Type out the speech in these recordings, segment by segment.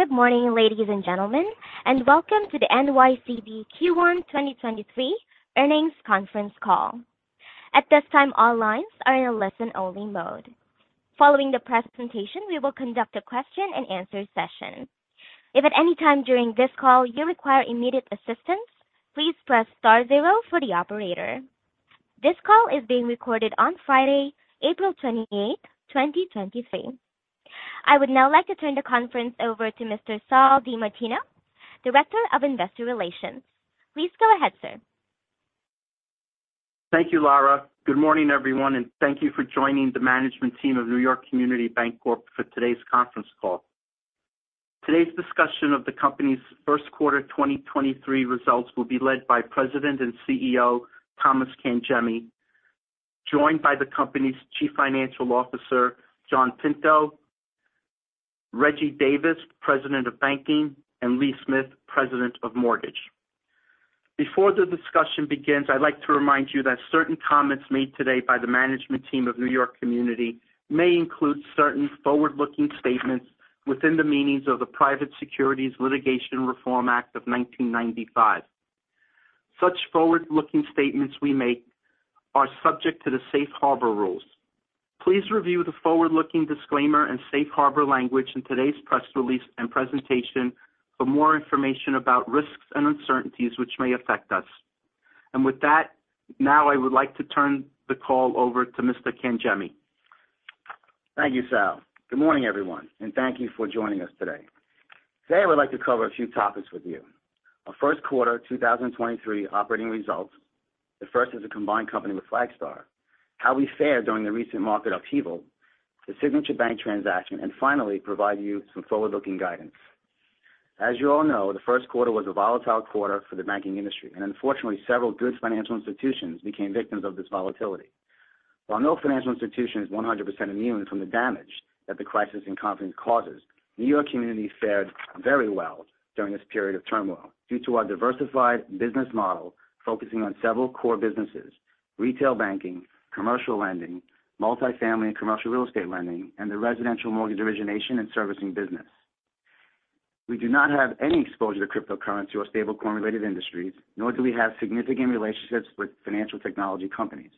Good morning, ladies and gentlemen, and welcome to the NYCB Q1 2023 Earnings Conference Call. At this time, all lines are in a listen-only mode. Following the presentation, we will conduct a question-and-answer session. If at any time during this call you require immediate assistance, please press star zero for the operator. This call is being recorded on Friday, 28th April 2023. I would now like to turn the conference over to Mr. Sal DiMartino, Director of Investor Relations. Please go ahead, sir. Thank you, Laura. Good morning, everyone, thank you for joining the management team of N.Y. Community Bancorp for today's conference call. Today's discussion of the company's first quarter 2023 results will be led by President and CEO Thomas Cangemi, joined by the company's Chief Financial Officer John Pinto, Reginald Davis, President of Banking, and Lee Smith, President of Mortgage. Before the discussion begins, I'd like to remind you that certain comments made today by the management team of N.Y. Community may include certain forward-looking statements within the meanings of the Private Securities Litigation Reform Act of 1995. Such forward-looking statements we make are subject to the safe harbor rules. Please review the forward-looking disclaimer and safe harbor language in today's press release and presentation for more information about risks and uncertainties which may affect us. With that, now I would like to turn the call over to Mr. Cangemi. Thank you, Sal. Good morning, everyone, and thank you for joining us today. Today, I would like to cover a few topics with you. Our first quarter 2023 operating results, the first as a combined company with Flagstar, how we fared during the recent market upheaval, the Signature Bank transaction, and finally, provide you some forward-looking guidance. As you all know, the first quarter was a volatile quarter for the banking industry, and unfortunately, several good financial institutions became victims of this volatility. While no financial institution is 100% immune from the damage that the crisis in confidence causes, N.Y. Community fared very well during this period of turmoil due to our diversified business model focusing on several core businesses: retail banking, commercial lending, multifamily and commercial real estate lending, and the residential mortgage origination and servicing business. We do not have any exposure to cryptocurrency or stablecoin-related industries, nor do we have significant relationships with financial technology companies.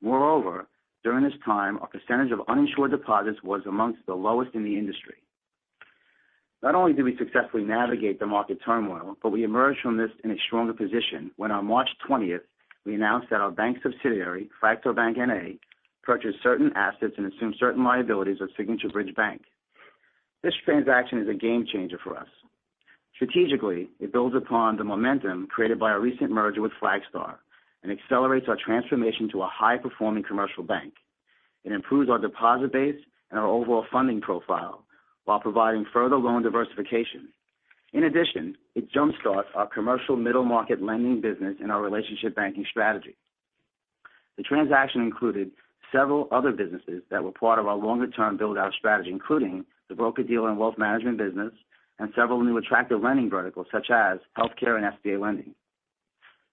Moreover, during this time, our percentage of uninsured deposits was amongst the lowest in the industry. Not only did we successfully navigate the market turmoil, but we emerged from this in a stronger position when on 20th March, we announced that our bank subsidiary, Flagstar Bank, N.A., purchased certain assets and assumed certain liabilities of Signature Bridge Bank, N.A. This transaction is a game changer for us. Strategically, it builds upon the momentum created by our recent merger with Flagstar and accelerates our transformation to a high-performing commercial bank. It improves our deposit base and our overall funding profile while providing further loan diversification. In addition, it jumpstarts our commercial middle-market lending business and our relationship banking strategy. The transaction included several other businesses that were part of our longer-term build-out strategy, including the broker-dealer and wealth management business and several new attractive lending verticals such as healthcare and SBA lending.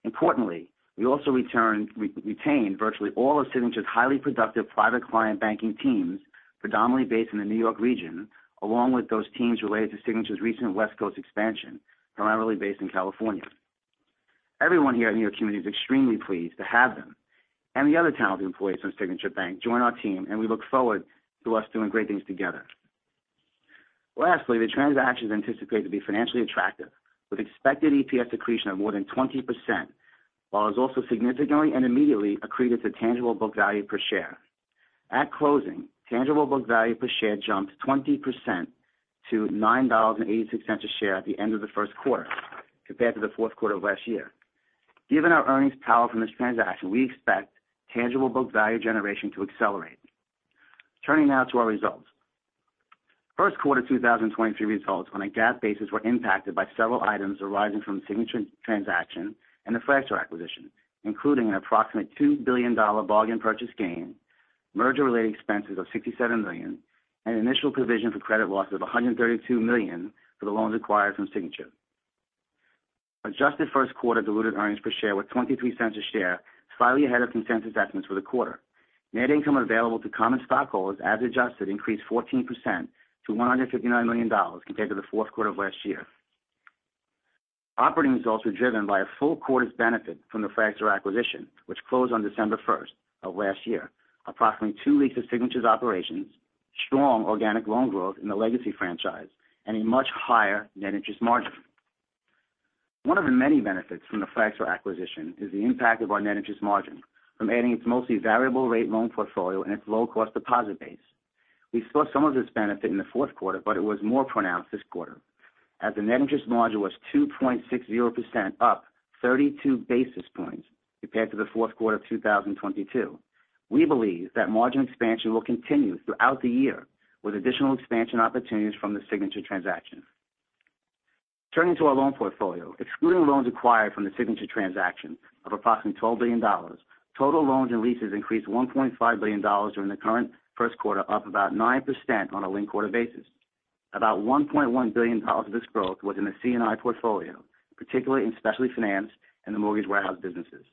Importantly, we also retained virtually all of Signature's highly productive private client banking teams, predominantly based in the N.Y. region, along with those teams related to Signature's recent West Coast expansion, primarily based in California. Everyone here at N.Y. Community is extremely pleased to have them and the other talented employees from Signature Bank join our team. We look forward to us doing great things together. Lastly, the transaction is anticipated to be financially attractive, with expected EPS accretion of more than 20%, while it is also significantly and immediately accretive to tangible book value per share. At closing, tangible book value per share jumped 20% to $9.86 a share at the end of the first quarter compared to the fourth quarter of last year. Given our earnings power from this transaction, we expect tangible book value generation to accelerate. Turning now to our results. First quarter 2023 results on a GAAP basis were impacted by several items arising from Signature transaction and the Flagstar acquisition, including an approximate $2 billion bargain purchase gain, merger-related expenses of $67 million, and initial provision for credit loss of $132 million for the loans acquired from Signature. Adjusted first quarter diluted earnings per share were $0.23 a share, slightly ahead of consensus estimates for the quarter. Net income available to common stockholders, as adjusted, increased 14% - $159 million compared to the fourth quarter of last year. Operating results were driven by a full quarter's benefit from the Flagstar acquisition, which closed on 1st December of last year. Approximately two leases Signature's operations, strong organic loan growth in the legacy franchise, and a much higher net interest margin. One of the many benefits from the Flagstar acquisition is the impact of our net interest margin from adding its mostly variable rate loan portfolio and its low-cost deposit base. We saw some of this benefit in the fourth quarter, but it was more pronounced this quarter, as the net interest margin was 2.60% up 32 basis points compared to the fourth quarter of 2022. We believe that margin expansion will continue throughout the year with additional expansion opportunities from the Signature transaction. Turning to our loan portfolio. Excluding loans acquired from the Signature transaction of approximately $12 billion, total loans and leases increased $1.5 billion during the current first quarter, up about 9% on a linked-quarter basis. About $1.1 billion of this growth was in the C&I portfolio, particularly in specialty finance and the mortgage warehouse businesses.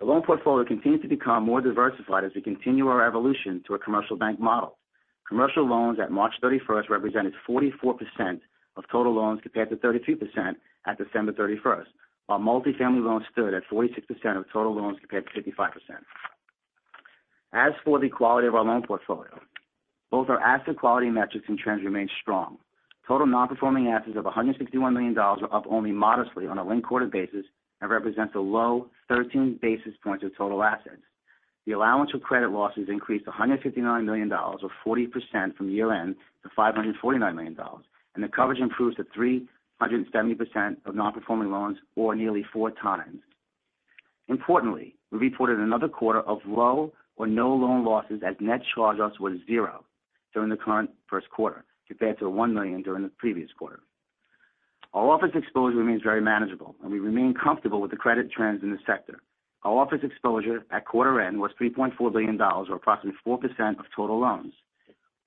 The loan portfolio continues to become more diversified as we continue our evolution to a commercial bank model. Commercial loans at 31st March represented 44% of total loans compared to 32% at 31st December. While multifamily loans stood at 46% of total loans compared to 55%. As for the quality of our loan portfolio, both our asset quality metrics and trends remain strong. Total non-performing assets of $161 million are up only modestly on a linked quarter basis and represents a low 13 basis points of total assets. The allowance for credit losses increased $159 million or 40% from year-end- $549 million, and the coverage improves to 370% of non-performing loans, or nearly 4x. Importantly, we reported another quarter of low or no loan losses as net charge-offs was 0 during the current first quarter compared to $1 million during the previous quarter. Our office exposure remains very manageable, and we remain comfortable with the credit trends in this sector. Our office exposure at quarter end was $3.4 billion, or approximately 4% of total loans.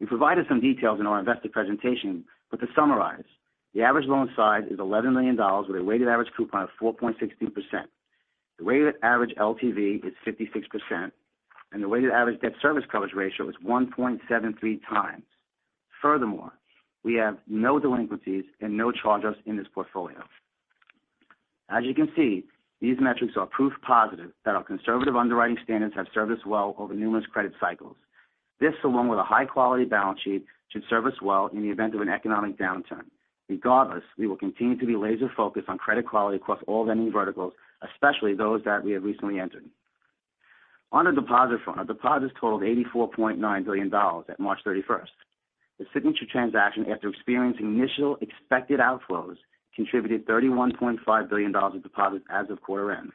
We provided some details in our investor presentation, to summarize, the average loan size is $11 million with a weighted average coupon of 4.62%. The weighted average LTV is 56%, the weighted average debt service coverage ratio is 1.73x. Furthermore, we have no delinquencies and no charge-offs in this portfolio. As you can see, these metrics are proof positive that our conservative underwriting standards have served us well over numerous credit cycles. This, along with a high-quality balance sheet, should serve us well in the event of an economic downturn. Regardless, we will continue to be laser-focused on credit quality across all lending verticals, especially those that we have recently entered. On a deposit front, our deposits totaled $84.9 billion at 31st March. The Signature transaction, after experiencing initial expected outflows, contributed $31.5 billion of deposits as of quarter end.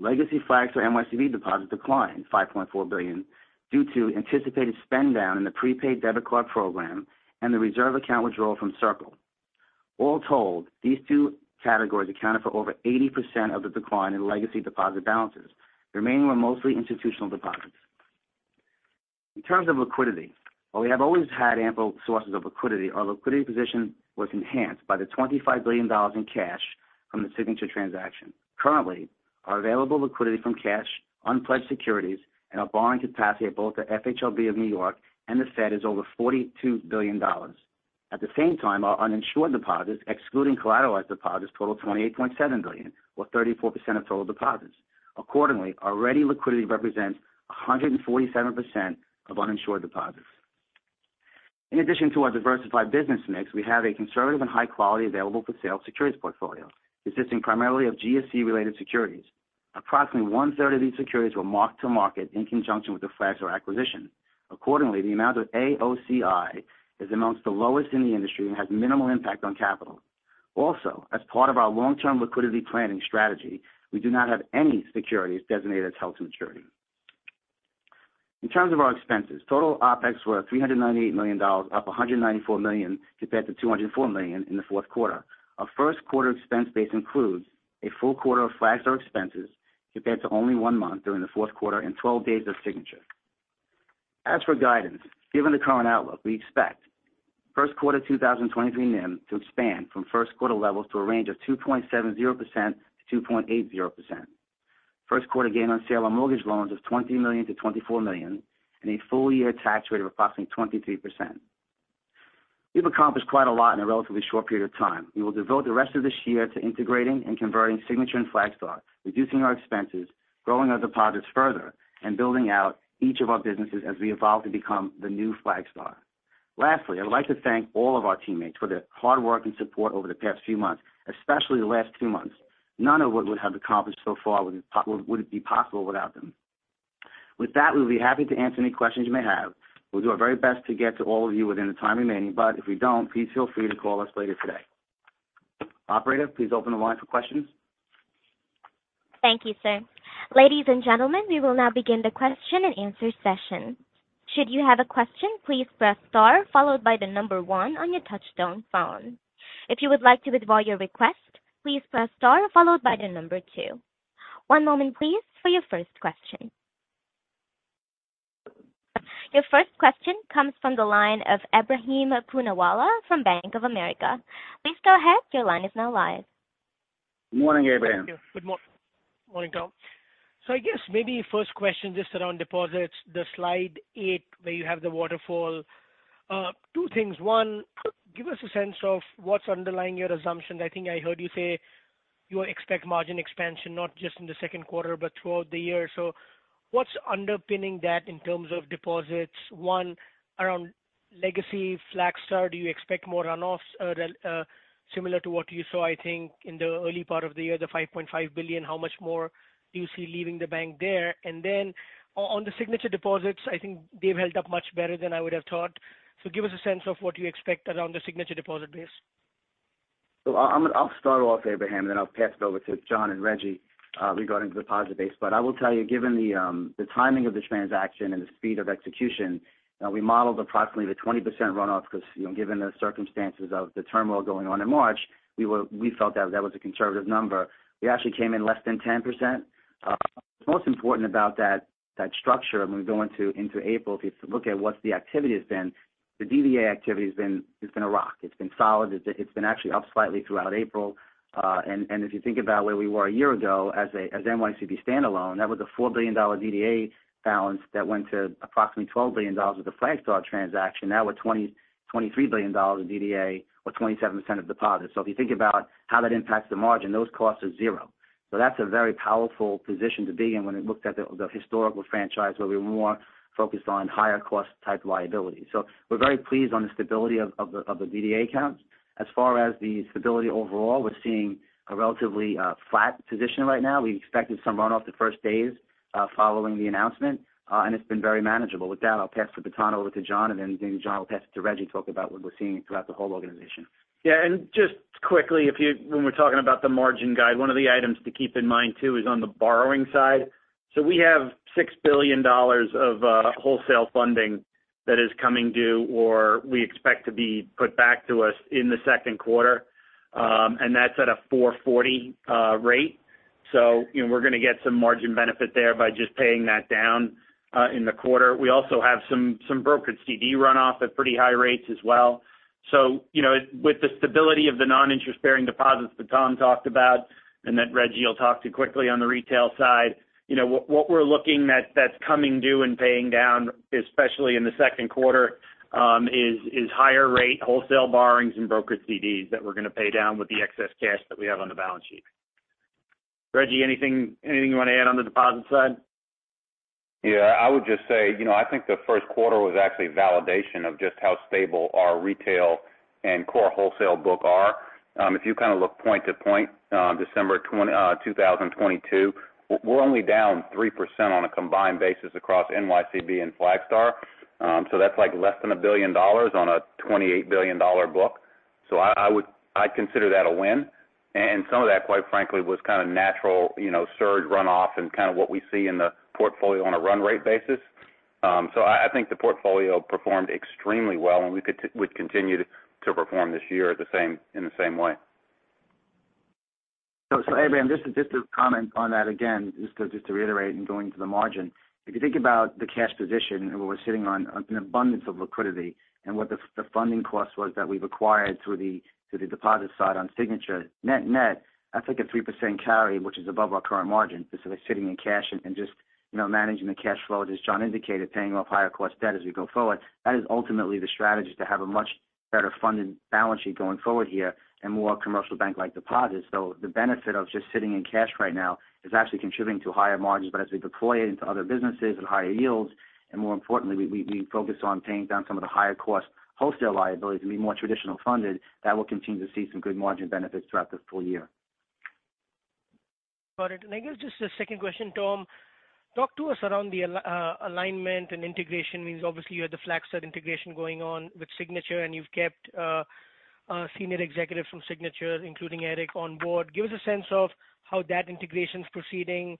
Legacy Flagstar NYCB deposits declined $5.4 billion due to anticipated spend down in the prepaid debit card program and the reserve account withdrawal from Circle. All told, these two categories accounted for over 80% of the decline in legacy deposit balances. The remaining were mostly institutional deposits. In terms of liquidity, while we have always had ample sources of liquidity, our liquidity position was enhanced by the $25 billion in cash from the Signature transaction. Currently, our available liquidity from cash, unpledged securities and our borrowing capacity at both the FHLB of N.Y. and the Fed is over $42 billion. At the same time, our uninsured deposits, excluding collateralized deposits, totaled $28.7 billion, or 34% of total deposits. Accordingly, our ready liquidity represents 147% of uninsured deposits. In addition to our diversified business mix, we have a conservative and high quality available for sale securities portfolio consisting primarily of GSE related securities. Approximately 1/3 of these securities were marked to market in conjunction with the Flagstar acquisition. Accordingly, the amount of AOCI is amongst the lowest in the industry and has minimal impact on capital. Also, as part of our long-term liquidity planning strategy, we do not have any securities designated as held to maturity. In terms of our expenses, total OpEx were $398 million, up $194 million compared- $204 million in the fourth quarter. Our first quarter expense base includes a full quarter of Flagstar expenses compared to only one month during the fourth quarter and twelve days of Signature. As for guidance, given the current outlook, we expect first quarter 2023 NIM to expand from first quarter levels to a range of 2.70%-2.80%. First quarter gain on sale of mortgage loans is $20 million-$24 million and a full year tax rate of approximately 23%. We've accomplished quite a lot in a relatively short period of time. We will devote the rest of this year to integrating and converting Signature and Flagstar, reducing our expenses, growing our deposits further, and building out each of our businesses as we evolve to become the new Flagstar. Lastly, I'd like to thank all of our teammates for their hard work and support over the past few months, especially the last two months. None of what we have accomplished so far would be possible without them. With that, we'll be happy to answer any questions you may have. We'll do our very best to get to all of you within the time remaining. If we don't, please feel free to call us later today. Operator, please open the line for questions. Thank you, sir. Ladies and gentlemen, we will now begin the question and answer session. Should you have a question, please press star followed by the number one on your touchtone phone. If you would like to withdraw your request, please press star followed by the number two. One moment please for your first question. Your first question comes from the line of Ebrahim Poonawala from Bank of America. Please go ahead. Your line is now live. Morning, Ebrahim. Thank you. Good morning, all. I guess maybe first question just around deposits, the slide eight where you have the waterfall. Two things. One, give us a sense of what's underlying your assumption. I think I heard you say you expect margin expansion not just in the second quarter but throughout the year. What's underpinning that in terms of deposits? One, around legacy Flagstar, do you expect more runoffs, similar to what you saw, I think, in the early part of the year, the $5.5 billion? How much more do you see leaving the bank there? Then on the Signature deposits, I think they've held up much better than I would have thought. Give us a sense of what you expect around the Signature deposit base. I'll start off, Ebrahim, then I'll pass it over to John and Reggie regarding deposit base. I will tell you, given the timing of this transaction and the speed of execution, we modeled approximately the 20% runoff because, you know, given the circumstances of the turmoil going on in March, we felt that that was a conservative number. We actually came in less than 10%. What's most important about that structure when we go into April, if you look at what the activity has been, the DDA activity has been a rock. It's been solid. It's been actually up slightly throughout April. If you think about where we were a year ago as NYCB standalone, that was a $4 billion DDA balance that went to approximately $12 billion with the Flagstar transaction. Now we're $23 billion in DDA or 27% of deposits. If you think about how that impacts the margin, those costs are 0. That's a very powerful position to be in when we looked at the historical franchise where we were more focused on higher cost type liabilities. We're very pleased on the stability of the DDA accounts. As far as the stability overall, we're seeing a relatively flat position right now. We expected some runoff the first days following the announcement, and it's been very manageable. With that, I'll pass the baton over to John, and then John will pass it to Reggie to talk about what we're seeing throughout the whole organization. Yeah. Just quickly, when we're talking about the margin guide, one of the items to keep in mind too is on the borrowing side. We have $6 billion of wholesale funding that is coming due or we expect to be put back to us in the second quarter. That's at a 4.40% rate. You know, we're gonna get some margin benefit there by just paying that down in the quarter. We also have some brokerage CD runoff at pretty high rates as well. You know, with the stability of the non-interest bearing deposits that Tom talked about and that Reggie will talk to quickly on the retail side, you know, what we're looking that's coming due and paying down, especially in the second quarter, is higher rate wholesale borrowings and brokerage CDs that we're gonna pay down with the excess cash that we have on the balance sheet. Reggie, anything you want to add on the deposit side? Yeah. I would just say, you know, I think the first quarter was actually validation of just how stable our retail and core wholesale book are. If you kind of look point to point, December 2022, we're only down 3% on a combined basis across NYCB and Flagstar. That's like less than $1 billion on a $28 billion book. I'd consider that a win. Some of that, quite frankly, was kind of natural, you know, surge runoff and kind of what we see in the portfolio on a run rate basis. I think the portfolio performed extremely well, and we'd continue to perform this year in the same way. Ebrahim, just to comment on that again, just to reiterate in going to the margin. If you think about the cash position and we're sitting on an abundance of liquidity and what the funding cost was that we've acquired through the, through the deposit side on Signature net-net, that's like a 3% carry, which is above our current margin. This is sitting in cash and just, you know, managing the cash flow as John Pinto indicated, paying off higher cost debt as we go forward. That is ultimately the strategy to have a much better funded balance sheet going forward here and more commercial bank-like deposits. The benefit of just sitting in cash right now is actually contributing to higher margins. As we deploy it into other businesses at higher yields, and more importantly, we focus on paying down some of the higher cost wholesale liabilities and be more traditional funded, that will continue to see some good margin benefits throughout this full year. Got it. I guess just a second question, Tom. Talk to us around the alignment and integration. Means obviously you have the Flagstar integration going on with Signature, and you've kept senior executives from Signature, including Eric on board. Give us a sense of how that integration is proceeding.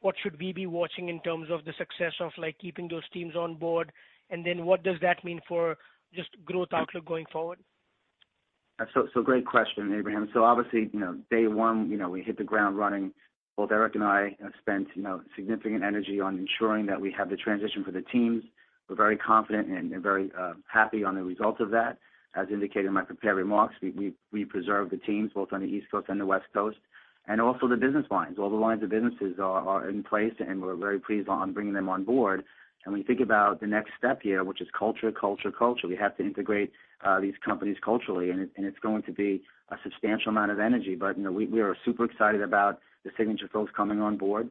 What should we be watching in terms of the success of, like, keeping those teams on board? What does that mean for just growth outlook going forward? Great question, Ebrahim. Obviously, you know, day one, you know, we hit the ground running. Both Eric and I have spent, you know, significant energy on ensuring that we have the transition for the teams. We're very confident and very happy on the results of that. As indicated in my prepared remarks, we preserved the teams both on the East Coast and the West Coast, and also the business lines. All the lines of businesses are in place, and we're very pleased on bringing them on board. We think about the next step here, which is culture, culture. We have to integrate these companies culturally, and it's going to be a substantial amount of energy. You know, we are super excited about the Signature folks coming on board.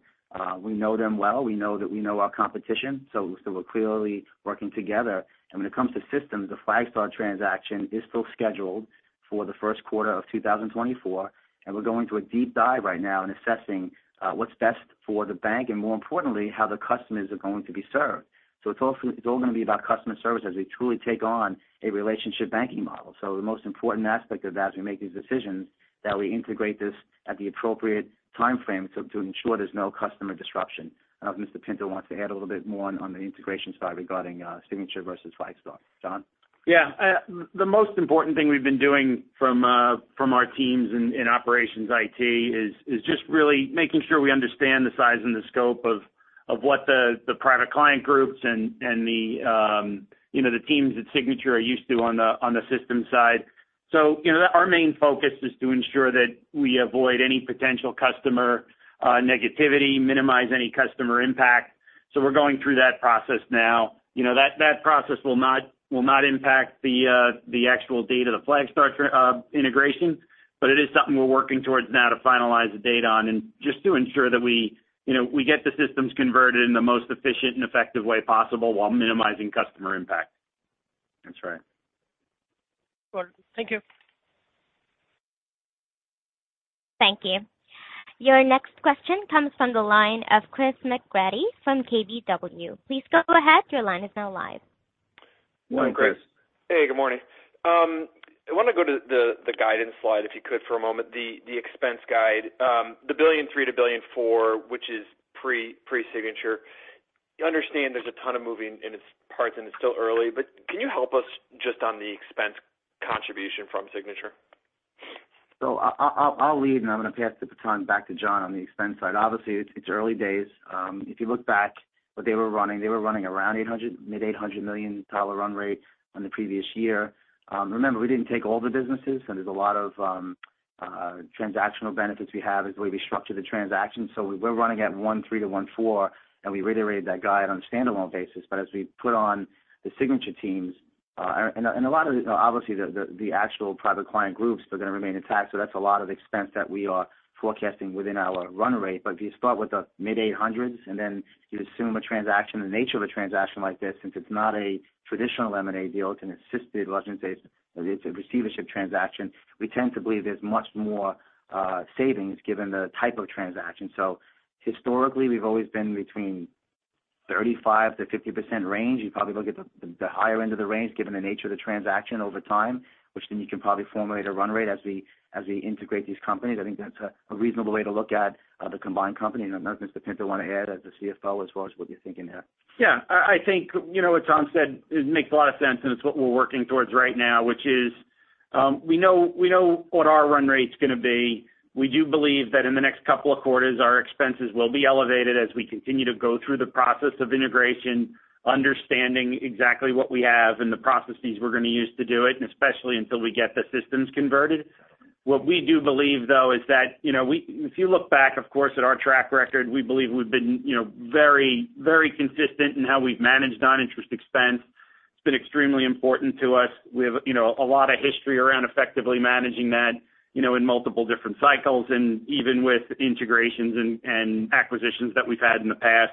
We know them well. We know that we know our competition, so we're clearly working together. When it comes to systems, the Flagstar transaction is still scheduled for the first quarter of 2024, and we're going through a deep dive right now in assessing what's best for the bank and more importantly, how the customers are going to be served. It's all going to be about customer service as we truly take on a relationship banking model. The most important aspect of that as we make these decisions, that we integrate this at the appropriate timeframe to ensure there's no customer disruption. I don't know if Mr. Pinto wants to add a little bit more on the integration side regarding Signature versus Flagstar. John? Yeah. The most important thing we've been doing from our teams in operations IT is just really making sure we understand the size and the scope of what the private client groups and the, you know, the teams at Signature are used to on the system side. You know, our main focus is to ensure that we avoid any potential customer negativity, minimize any customer impact. We're going through that process now. You know, that process will not impact the actual date of the Flagstar integration, but it is something we're working towards now to finalize the date on and just to ensure that we, you know, we get the systems converted in the most efficient and effective way possible while minimizing customer impact. That's right. Cool. Thank you. Thank you. Your next question comes from the line of Christopher McGratty from KBW. Please go ahead. Your line is now live. Hi, Chris. Hey, good morning. I want to go to the guidance slide, if you could, for a moment. The, the expense guide. The $1.3 billion-$1.4 billion, which is pre-Signature. I understand there's a ton of moving in its parts and it's still early, but can you help us just on the expense contribution from Signature? I'll lead, and I'm gonna pass the baton back to John on the expense side. Obviously, it's early days. If you look back what they were running, they were running around mid-$800 million run rate on the previous year. Remember, we didn't take all the businesses, and there's a lot of transactional benefits we have is the way we structured the transaction. We're running at $1.3 billion-$1.4 billion, and we reiterated that guide on a standalone basis. As we put on the Signature teams, and a lot of the, obviously, the actual private client groups are gonna remain intact. That's a lot of expense that we are forecasting within our run rate. If you start with the mid 800s and then you assume a transaction, the nature of a transaction like this, since it's not a traditional M&A deal, it's an assisted transaction base, it's a receivership transaction. We tend to believe there's much more savings given the type of transaction. Historically, we've always been between 35%-50% range. You probably look at the higher end of the range given the nature of the transaction over time, which then you can probably formulate a run rate as we integrate these companies. I think that's a reasonable way to look at the combined company. I don't know if Mr. Pinto want to add as the CFO as far as what you're thinking there. I think, you know, what Tom said, it makes a lot of sense, and it's what we're working towards right now, which is, we know what our run rate's gonna be. We do believe that in the next couple of quarters, our expenses will be elevated as we continue to go through the process of integration, understanding exactly what we have and the processes we're gonna use to do it, and especially until we get the systems converted. What we do believe, though, is that, you know, if you look back, of course, at our track record, we believe we've been, you know, very, very consistent in how we've managed non-interest expense. It's been extremely important to us. We have, you know, a lot of history around effectively managing that, you know, in multiple different cycles and even with integrations and acquisitions that we've had in the past.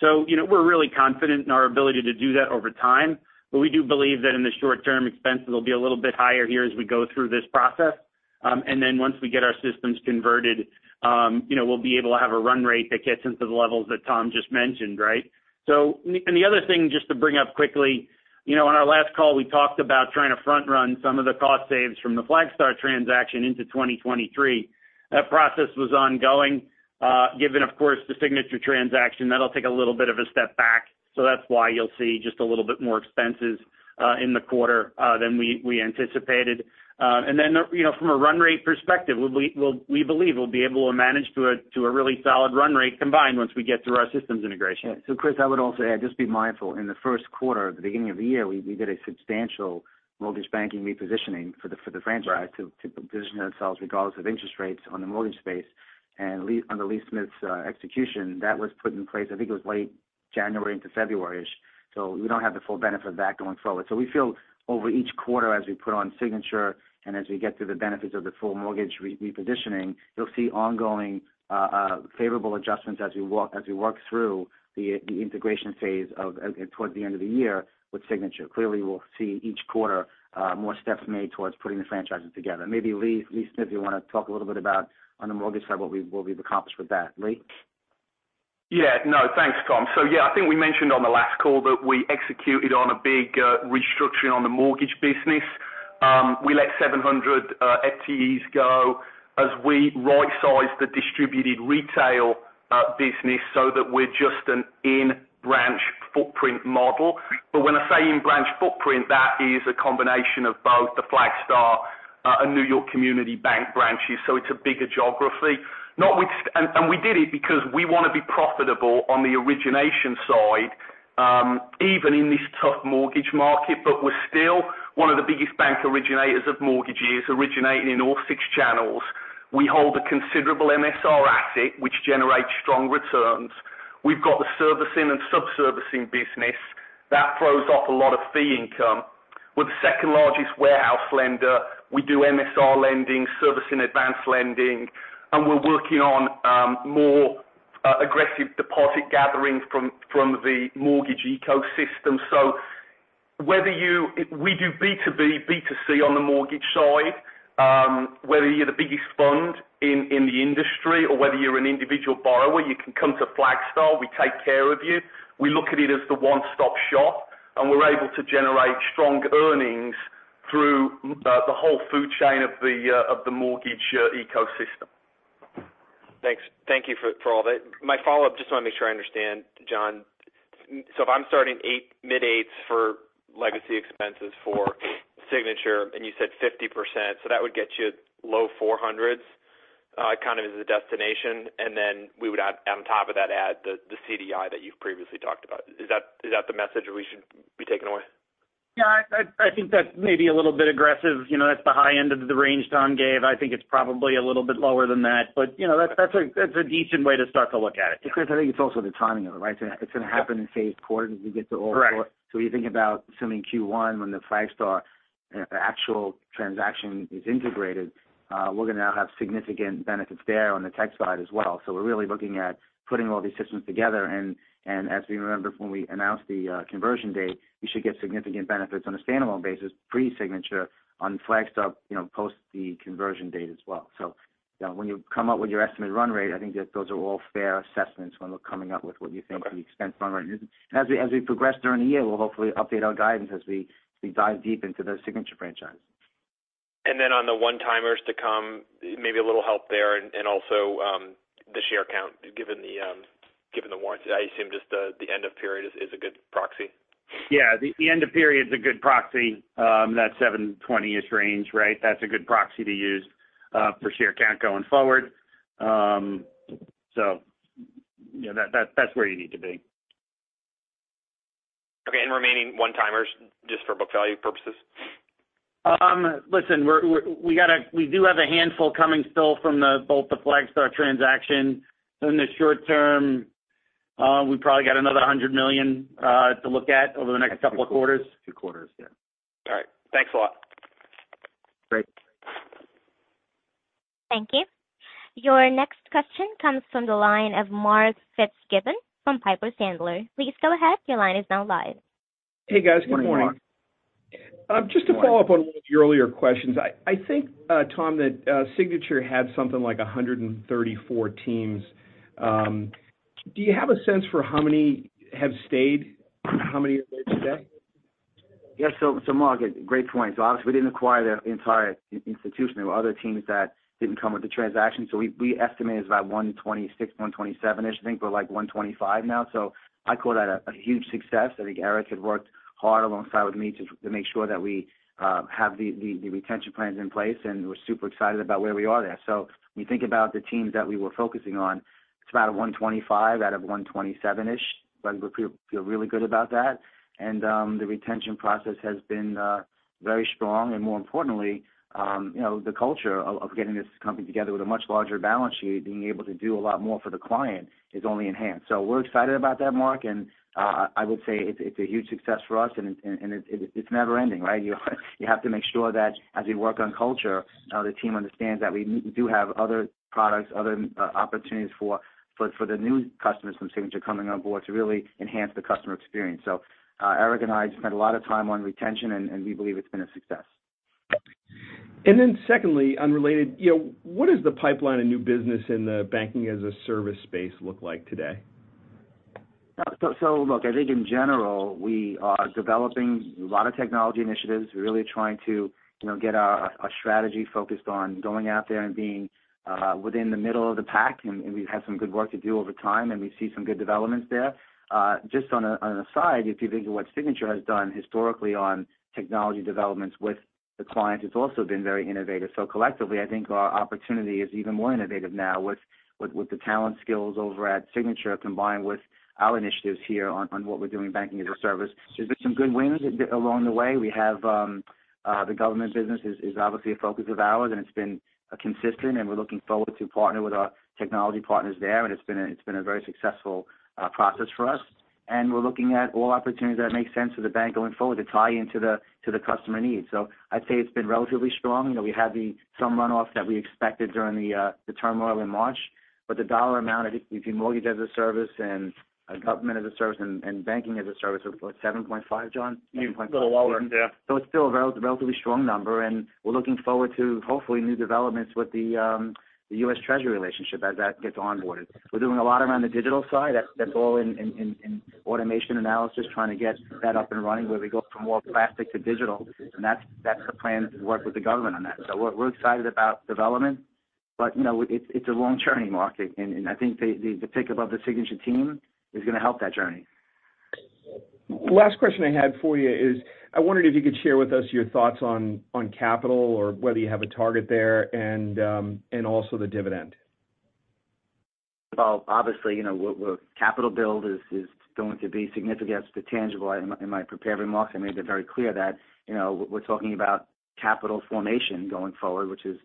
You know, we're really confident in our ability to do that over time. We do believe that in the short-term expense, it'll be a little bit higher here as we go through this process. Then once we get our systems converted, you know, we'll be able to have a run rate that gets into the levels that Tom just mentioned, right? And the other thing just to bring up quickly. You know, on our last call, we talked about trying to front run some of the cost saves from the Flagstar transaction into 2023. That process was ongoing. Given of course, the Signature transaction, that'll take a little bit of a step back. That's why you'll see just a little bit more expenses in the quarter than we anticipated. You know, from a run rate perspective, we believe we'll be able to manage to a, to a really solid run rate combined once we get through our systems integration. Chris, I would also add, just be mindful, in the first quarter at the beginning of the year, we did a substantial mortgage banking repositioning for the franchise- Right. To position ourselves regardless of interest rates on the mortgage space. Under Lee Smith's execution, that was put in place, I think it was late January into February-ish. We don't have the full benefit of that going forward. We feel over each quarter as we put on Signature and as we get to the benefits of the full mortgage repositioning, you'll see ongoing favorable adjustments as we work through the integration phase toward the end of the year with Signature. Clearly, we'll see each quarter more steps made towards putting the franchises together. Maybe Lee Smith, you wanna talk a little bit about on the mortgage side, what we've accomplished with that. Lee? No. Thanks, Tom. I think we mentioned on the last call that we executed on a big restructuring on the mortgage business. We let 700 FTEs go as we right-sized the distributed retail business so that we're just an in-branch footprint model. When I say in-branch footprint, that is a combination of both the Flagstar and N.Y. Community Bank branches. It's a bigger geography. And we did it because we wanna be profitable on the origination side, even in this tough mortgage market. We're still one of the biggest bank originators of mortgages originating in all 6 channels. We hold a considerable MSR asset which generates strong returns. We've got the servicing and sub-servicing business that throws off a lot of fee income. We're the second largest warehouse lender. We do MSR lending, servicing advanced lending, and we're working on more aggressive deposit gathering from the mortgage ecosystem. We do B2B, B2C on the mortgage side. Whether you're the biggest fund in the industry or whether you're an individual borrower, you can come to Flagstar, we take care of you. We look at it as the one-stop shop, and we're able to generate strong earnings through the whole food chain of the mortgage ecosystem. Thanks. Thank you for all that. My follow-up, just want to make sure I understand, John. If I'm starting 8 mid 8s for legacy expenses for Signature, and you said 50%, that would get you low 400s kind of as a destination. Then we would add on top of that, add the CDI that you've previously talked about. Is that the message that we should be taking away? Yeah. I think that's maybe a little bit aggressive. You know, that's the high end of the range Tom gave. I think it's probably a little bit lower than that. You know, that's a decent way to start to look at it. Chris, I think it's also the timing of it, right? It's gonna happen in phased quarters as we get to all four. Correct. You think about assuming Q1 when the Flagstar transaction is integrated, we're gonna now have significant benefits there on the tech side as well. We're really looking at putting all these systems together. As we remember from when we announced the conversion date, you should get significant benefits on a standalone basis pre-Signature on Flagstar, you know, post the conversion date as well. You know, when you come up with your estimated run rate, I think that those are all fair assessments when we're coming up with what you think. Okay. The expense run rate is. As we progress during the year, we'll hopefully update our guidance as we dive deep into those Signature franchises. On the one-timers to come, maybe a little help there and also, the share count given the warrants, I assume just the end of period is a good proxy. Yeah. The end of period is a good proxy. That 720-ish range, right? That's a good proxy to use, for share count going forward. You know, that's where you need to be. Okay. Remaining one-timers just for book value purposes. Listen, we do have a handful coming still from both the Flagstar transaction in the short-term. We probably got another $100 million to look at over the next couple of quarters. Two quarters. Yeah. All right. Thanks a lot. Great. Thank you. Your next question comes from the line of Mark Fitzgibbon from Piper Sandler. Please go ahead. Your line is now live. Hey, guys. Good morning. Good morning, Mark. Just to follow up on one of your earlier questions. I think, Tom, that Signature had something like 134 teams. Do you have a sense for how many have stayed? How many are there today? Mark, great point. Obviously, we didn't acquire the entire institution. There were other teams that didn't come with the transaction. We estimate it's about 126, 127-ish. I think we're, like, 125 now. I call that a huge success. I think Eric had worked hard alongside with me to make sure that we have the retention plans in place, and we're super excited about where we are there. When you think about the teams that we were focusing on, it's about a 125 out of 127-ish. We feel really good about that. The retention process has been very strong. More importantly, you know, the culture of getting this company together with a much larger balance sheet, being able to do a lot more for the client is only enhanced. We're excited about that, Mark. I would say it's a huge success for us. It's never ending, right? You have to make sure that as you work on culture, the team understands that we do have other products, other opportunities for the new customers from Signature coming on board to really enhance the customer experience. Eric and I spent a lot of time on retention, and we believe it's been a success. Secondly, unrelated. You know, what is the pipeline of new business in the banking-as-a-service space look like today? Look, I think in general, we are developing a lot of technology initiatives. We're really trying to, you know, get our strategy focused on going out there and being within the middle of the pack. We've had some good work to do over time, and we see some good developments there. Just on a side, if you think of what Signature has done historically on technology developments with the clients, it's also been very innovative. Collectively, I think our opportunity is even more innovative now with the talent skills over at Signature, combined with our initiatives here on what we're doing in banking as a service. There's been some good wins along the way. We have the government business is obviously a focus of ours, and it's been consistent, and we're looking forward to partner with our technology partners there. It's been a very successful process for us. We're looking at all opportunities that make sense for the bank going forward to tie into the customer needs. I'd say it's been relatively strong. You know, we had some runoffs that we expected during the turmoil in March. The dollar amount of if you mortgage as a service and government as a service and banking as a service was, what, $7.5, John? $7.4. Little lower. Yeah. It's still a relatively strong number, and we're looking forward to, hopefully new developments with the US Treasury relationship as that gets onboarded. We're doing a lot around the digital side. That's all in automation analysis, trying to get that up and running where we go from more classic to digital. That's the plan to work with the government on that. We're excited about development. You know, it's a long journey, Mark. I think the Signature team is gonna help that journey. Last question I had for you is, I wondered if you could share with us your thoughts on capital or whether you have a target there and also the dividend. Well, obviously, you know, we're capital build is going to be significant to tangible. In my, in my prepared remarks, I made that very clear that, you know, we're talking about capital formation going forward, which is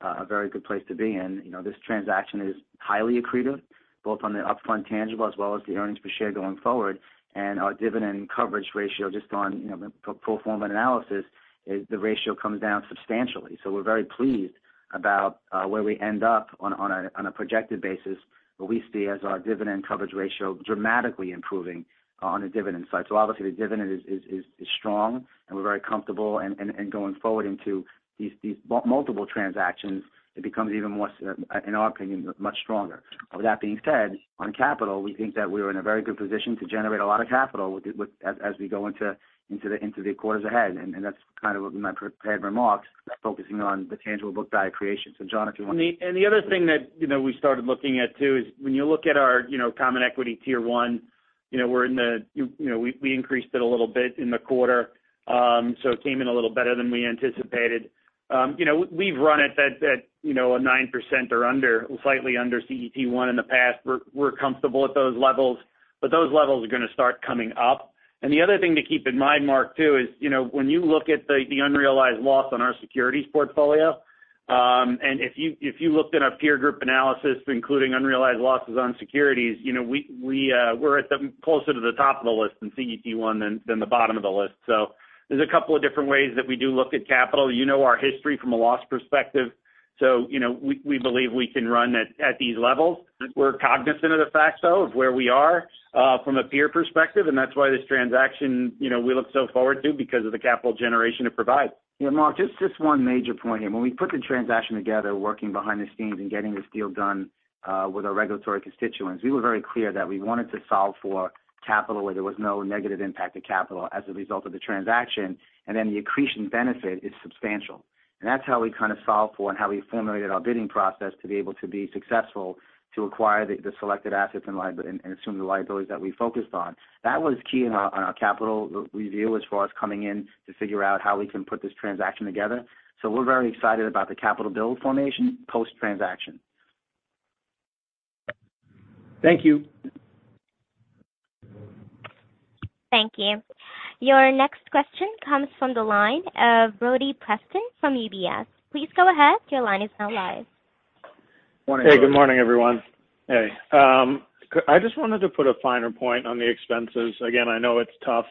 a very good place to be in. You know, this transaction is highly accretive, both on the upfront tangible as well as the earnings per share going forward. Our dividend coverage ratio just on, you know, pro forma analysis is the ratio comes down substantially. We're very pleased about where we end up on a projected basis, what we see as our dividend coverage ratio dramatically improving on the dividend side. Obviously the dividend is strong and we're very comfortable. Going forward into these multiple transactions, it becomes even more, in our opinion, much stronger. With that being said, on capital, we think that we're in a very good position to generate a lot of capital with as we go into the quarters ahead. That's kind of in my prepared remarks, focusing on the tangible book value creation. John, if you want to. The other thing that, you know, we started looking at too, is when you look at our, you know, common equity tier one, you know, we increased it a little bit in the quarter. It came in a little better than we anticipated. You know, we've run it at, you know, a 9% or under, slightly under CET 1 in the past. We're comfortable at those levels. Those levels are gonna start coming up. The other thing to keep in mind, Mark, too, is, you know, when you look at the unrealized loss on our securities portfolio, and if you looked at a peer group analysis including unrealized losses on securities, you know, we're closer to the top of the list in CET 1 than the bottom of the list. There's a couple of different ways that we do look at capital. You know our history from a loss perspective. You know, we believe we can run at these levels. We're cognizant of the fact though, of where we are from a peer perspective. That's why this transaction, you know, we look so forward to because of the capital generation it provides. Yeah. Mark, just one major point here. When we put the transaction together, working behind the scenes and getting this deal done with our regulatory constituents, we were very clear that we wanted to solve for capital where there was no negative impact to capital as a result of the transaction, and then the accretion benefit is substantial. That's how we kind of solved for and how we formulated our bidding process to be able to be successful to acquire the selected assets and assume the liabilities that we focused on. That was key in our, in our capital review as far as coming in to figure out how we can put this transaction together. We're very excited about the capital build formation post-transaction. Thank you. Thank you. Your next question comes from the line of Brody Preston from UBS. Please go ahead. Your line is now live. Morning, guys. Hey, good morning, everyone. Hey, I just wanted to put a finer point on the expenses. Again, I know it's tough,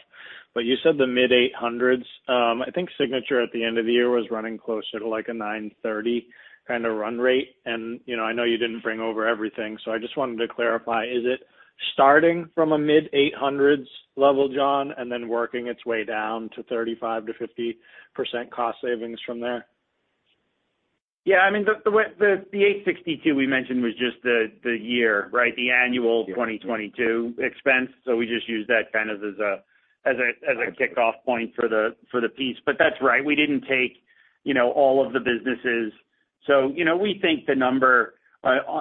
but you said the mid $800s. I think Signature at the end of the year was running closer to like a $930 kinda run rate. You know, I know you didn't bring over everything, so I just wanted to clarify. Is it starting from a mid $800s level, John, and then working its way down to 35% to 50% cost savings from there? Yeah. I mean, the 862 we mentioned was just the year, right? Yeah. 2022 expense. We just use that kind of as a kickoff point for the piece. That's right. We didn't take, you know, all of the businesses. You know, we think the number on,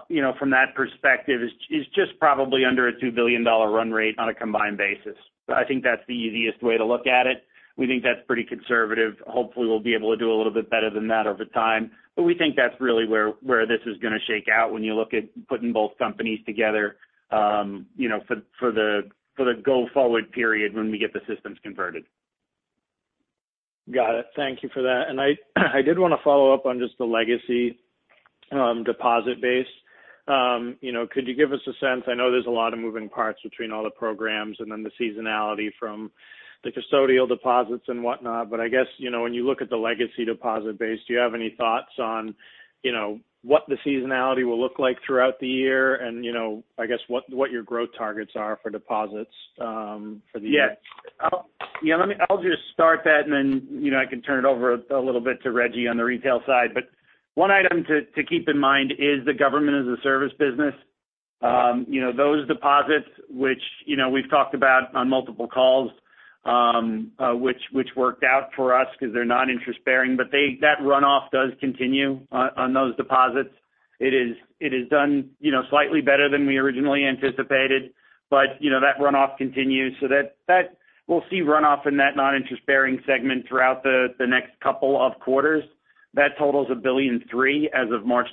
you know, from that perspective is just probably under a $2 billion run rate on a combined basis. I think that's the easiest way to look at it. We think that's pretty conservative. Hopefully, we'll be able to do a little bit better than that over time. We think that's really where this is gonna shake out when you look at putting both companies together, you know, for the go-forward period when we get the systems converted. Got it. Thank you for that. I did wanna follow up on just the legacy deposit base. You know, could you give us a sense, I know there's a lot of moving parts between all the programs and then the seasonality from the custodial deposits and whatnot, but I guess, you know, when you look at the legacy deposit base, do you have any thoughts on, you know, what the seasonality will look like throughout the year and, you know, I guess what your growth targets are for deposits for the year? Yes. I'll just start that, and then, you know, I can turn it over a little bit to Reggie on the retail side. One item to keep in mind is the government as a service business. You know, those deposits, which, you know, we've talked about on multiple calls, which worked out for us because they're non-interest bearing. That runoff does continue on those deposits. It is done, you know, slightly better than we originally anticipated. You know, that runoff continues. That, We'll see runoff in that non-interest bearing segment throughout the next couple of quarters. That total is $1.3 billion as of 31st March.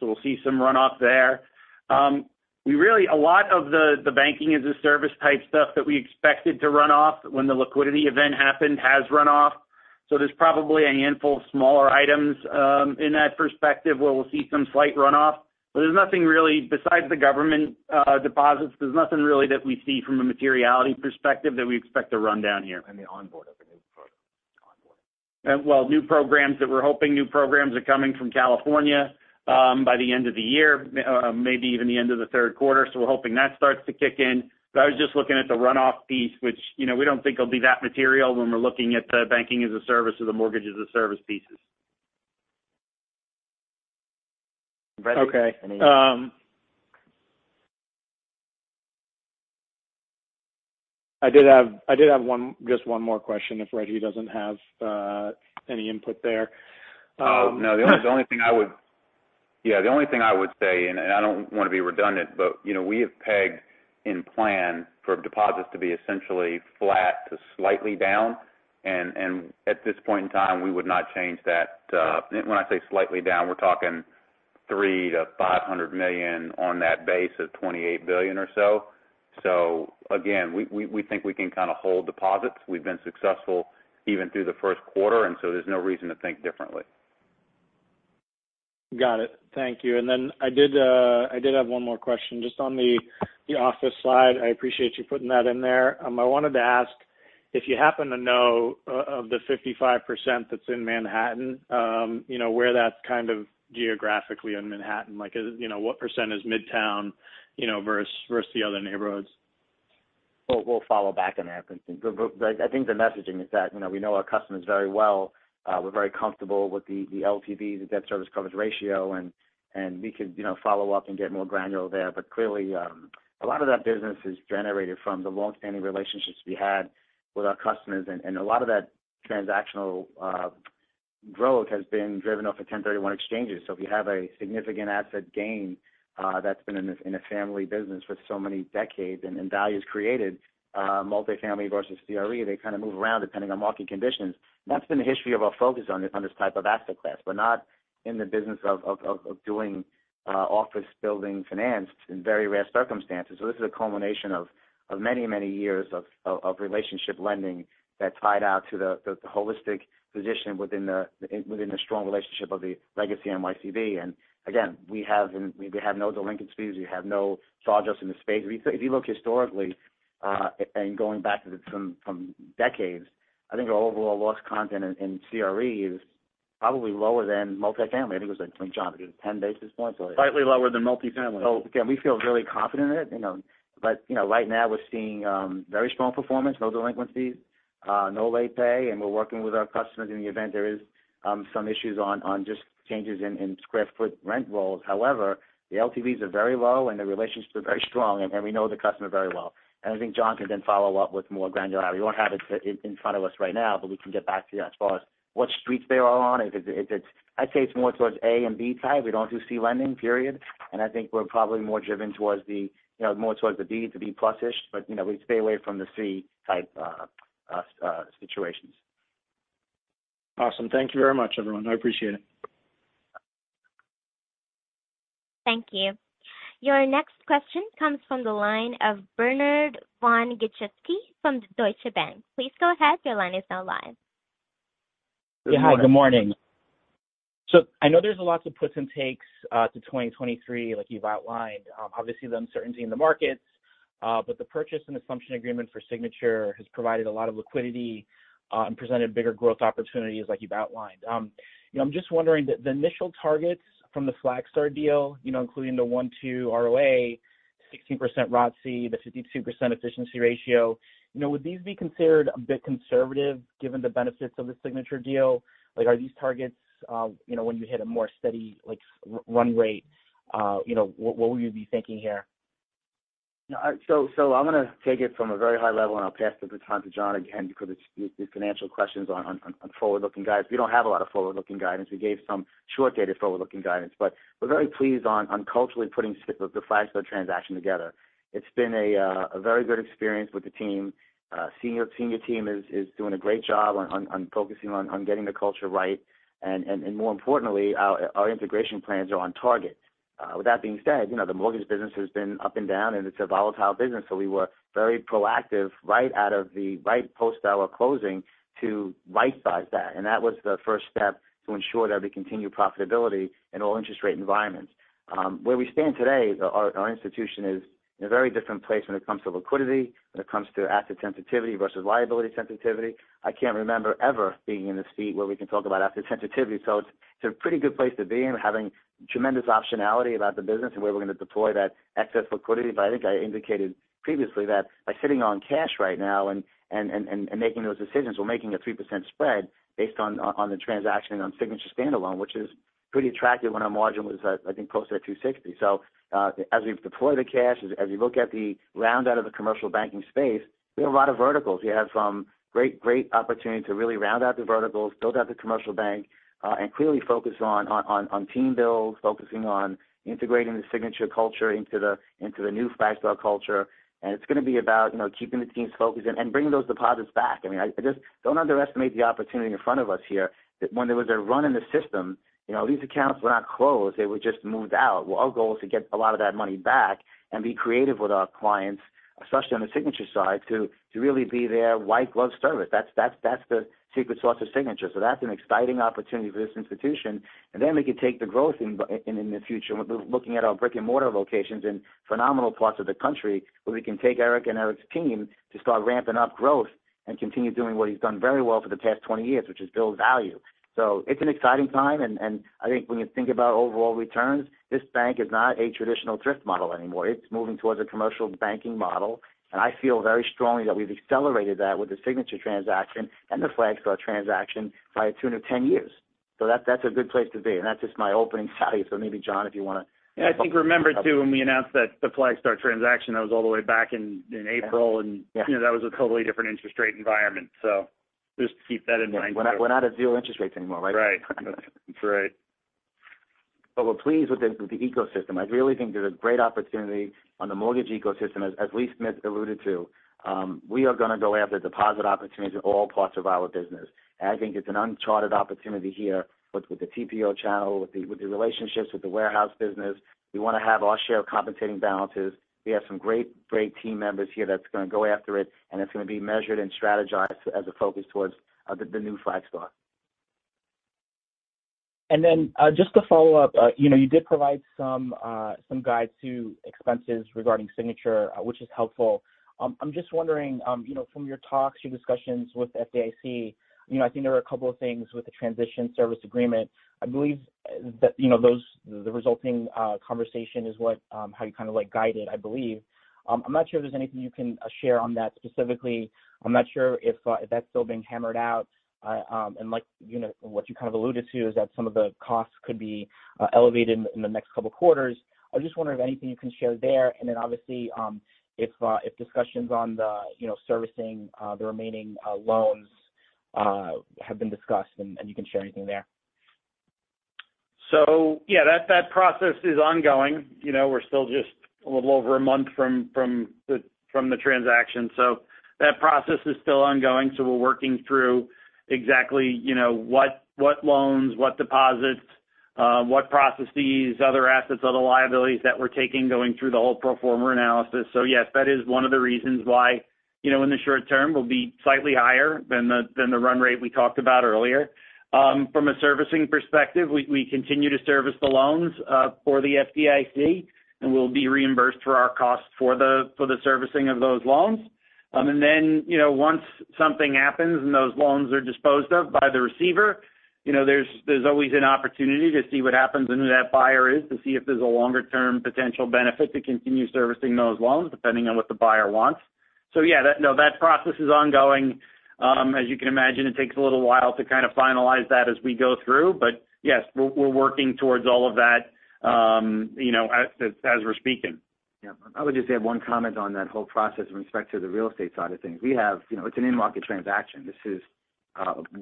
We'll see some runoff there. A lot of the banking-as-a-service type stuff that we expected to run off when the liquidity event happened has run off. There's probably a handful of smaller items in that perspective where we'll see some slight runoff. There's nothing really besides the government deposits. There's nothing really that we see from a materiality perspective that we expect to run down here. The onboard of the new program. Onboard. Well, new programs that we're hoping new programs are coming from California by the end of the year, maybe even the end of the third quarter. We're hoping that starts to kick in. I was just looking at the runoff piece, which, you know, we don't think it'll be that material when we're looking at the banking-as-a-service or the mortgage-as-a-service pieces. Reggie, Okay. I did have one, just one more question if Reggie doesn't have any input there. No. The only thing I would say, I don't wanna be redundant, you know, we have pegged in plan for deposits to be essentially flat to slightly down. At this point in time, we would not change that. When I say slightly down, we're talking $300 million-$500 million on that base of $28 billion or so. Again, we think we can kinda hold deposits. We've been successful even through the first quarter, there's no reason to think differently. Got it. Thank you. I did have one more question just on the office slide. I appreciate you putting that in there. I wanted to ask if you happen to know of the 55% that's in Manhattan, you know, where that's kind of geographically in Manhattan. Like, is it, you know, what percent is Midtown, you know, versus the other neighborhoods? We'll follow back on that. I think the messaging is that, you know, we know our customers very well. We're very comfortable with the LTV, the debt service coverage ratio, and we could, you know, follow up and get more granular there. Clearly, a lot of that business is generated from the longstanding relationships we had with our customers. A lot of that transactional growth has been driven off of 1031 exchanges. If you have a significant asset gain that's been in this, in a family business for so many decades and value is created, multifamily versus CRE, they kind of move around depending on market conditions. That's been the history of our focus on this, on this type of asset class. We're not in the business of doing office building finance in very rare circumstances. This is a culmination of many years of relationship lending that tied out to the holistic position within the strong relationship of the legacy NYCB. Again, we have no delinquencies. We have no charge-offs in the space. If you look historically, and going back to the from decades, I think our overall loss content in CRE is probably lower than multifamily. I think it was like, John, it was 10 basis points. Slightly lower than multifamily. Again, we feel really confident in it, you know. You know, right now we're seeing very strong performance, no delinquencies, no late pay, and we're working with our customers in the event there is some issues on just changes in square foot rent rolls. However, the LTVs are very low and the relationships are very strong, and we know the customer very well. I think John can then follow up with more granularity. We don't have it in front of us right now, but we can get back to you as far as what streets they are on. If it's I'd say it's more towards A and B type. We don't do C lending, period. I think we're probably more driven towards the, you know, more towards the B to B plus-ish. You know, we stay away from the C type situations. Awesome. Thank you very much everyone. I appreciate it. Thank you. Your next question comes from the line of Bernard von-Gizycki from Deutsche Bank. Please go ahead. Your line is now live. Yeah. Hi, good morning. I know there's lots of puts and takes to 2023 like you've outlined. Obviously the uncertainty in the markets, but the purchase and assumption agreement for Signature has provided a lot of liquidity and presented bigger growth opportunities like you've outlined. You know, I'm just wondering the initial targets from the Flagstar deal, you know, including the 1.2% ROA, 16% ROTCE, the 52% efficiency ratio. You know, would these be considered a bit conservative given the benefits of the Signature deal? Like, are these targets, you know, when you hit a more steady like run rate, you know, what will you be thinking here? No. I'm gonna take it from a very high level and I'll pass the baton to John again because it's financial questions on forward-looking guidance. We don't have a lot of forward-looking guidance. We gave some short-dated forward-looking guidance. We're very pleased on culturally putting the Flagstar transaction together. It's been a very good experience with the team. Senior team is doing a great job on focusing on getting the culture right. And more importantly, our integration plans are on target. With that being said, you know, the mortgage business has been up and down and it's a volatile business, so we were very proactive right out of the post our closing to rightsize that. That was the first step to ensure that we continue profitability in all interest rate environments. Where we stand today, our institution is in a very different place when it comes to liquidity, when it comes to asset sensitivity versus liability sensitivity. I can't remember ever being in a seat where we can talk about asset sensitivity. It's a pretty good place to be and having tremendous optionality about the business and where we're gonna deploy that excess liquidity. I think I indicated previously that by sitting on cash right now and making those decisions, we're making a 3% spread based on the transaction and on Signature standalone, which is pretty attractive when our margin was, I think closer to 2.60%. As we deploy the cash, as we look at the round out of the commercial banking space, we have a lot of verticals. We have some great opportunity to really round out the verticals, build out the commercial bank and clearly focus on team build, focusing on integrating the Signature culture into the new Flagstar culture. It's gonna be about, you know, keeping the teams focused and bringing those deposits back. I mean, I just don't underestimate the opportunity in front of us here that when there was a run in the system, you know, these accounts were not closed, they were just moved out. Our goal is to get a lot of that money back and be creative with our clients, especially on the Signature side, to really be their white glove service. That's the secret sauce of Signature. That's an exciting opportunity for this institution. We can take the growth in the future with looking at our brick-and-mortar locations in phenomenal parts of the country where we can take Eric and Eric's team to start ramping up growth and continue doing what he's done very well for the past twenty years, which is build value. It's an exciting time and I think when you think about overall returns, this bank is not a traditional thrift model anymore. It's moving towards a commercial banking model. I feel very strongly that we've accelerated that with the Signature transaction and the Flagstar transaction by a tune of ten years. That, that's a good place to be. That's just my opening value. Maybe John, if you. Yeah. I think remember too, when we announced that the Flagstar transaction, that was all the way back in April. Yeah. You know, that was a totally different interest rate environment. Just to keep that in mind. We're not at zero interest rates anymore, right? Right. That's right. We're pleased with the ecosystem. I really think there's a great opportunity on the mortgage ecosystem. As Lee Smith alluded to, we are gonna go after deposit opportunities in all parts of our business. I think it's an uncharted opportunity here with the TPO channel, with the relationships with the warehouse business. We wanna have our share of compensating balances. We have some great team members here that's gonna go after it, and it's gonna be measured and strategized as a focus towards the new Flagstar. Just to follow up, you know, you did provide some guide to expenses regarding Signature, which is helpful. I'm just wondering, you know, from your talks, your discussions with FDIC, you know, I think there are a couple of things with the transition service agreement. I believe that, you know, the resulting conversation is what, how you kind of like guide it, I believe. I'm not sure if there's anything you can share on that specifically. I'm not sure if that's still being hammered out. Like, you know, what you kind of alluded to is that some of the costs could be elevated in the next couple of quarters. I just wonder if anything you can share there. Then obviously, if discussions on the, you know, servicing, the remaining, loans, have been discussed and you can share anything there. Yeah, that process is ongoing. You know, we're still just a little over a month from the, from the transaction. That process is still ongoing. We're working through exactly, you know, what loans, what deposits, what processes, other assets, other liabilities that we're taking going through the whole pro forma analysis. Yes, that is one of the reasons why, you know, in the short-term will be slightly higher than the, than the run rate we talked about earlier. From a servicing perspective, we continue to service the loans for the FDIC, and we'll be reimbursed for our cost for the, for the servicing of those loans. You know, once something happens and those loans are disposed of by the receiver, you know, there's always an opportunity to see what happens and who that buyer is to see if there's a longer term potential benefit to continue servicing those loans depending on what the buyer wants. Yeah, that process is ongoing. As you can imagine, it takes a little while to kind of finalize that as we go through. Yes, we're working towards all of that, you know, as we're speaking. Yeah. I would just add one comment on that whole process with respect to the real estate side of things. We have you know, it's an in-market transaction. This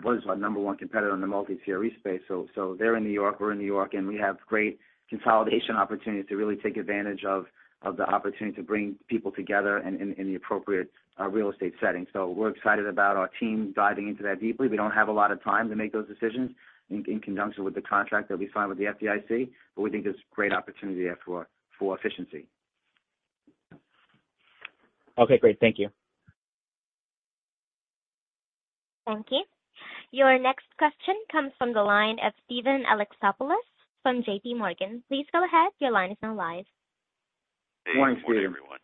was our number one competitor in the multi-CRE space. They're in N.Y., we're in N.Y., and we have great consolidation opportunity to really take advantage of the opportunity to bring people together in the appropriate real estate setting. We're excited about our team diving into that deeply. We don't have a lot of time to make those decisions in conjunction with the contract that we signed with the FDIC, we think there's great opportunity there for efficiency. Okay, great. Thank you. Thank you. Your next question comes from the line of Steven Alexopoulos from JPMorgan. Please go ahead. Your line is now live. Morning, Steven. Good morning everyone.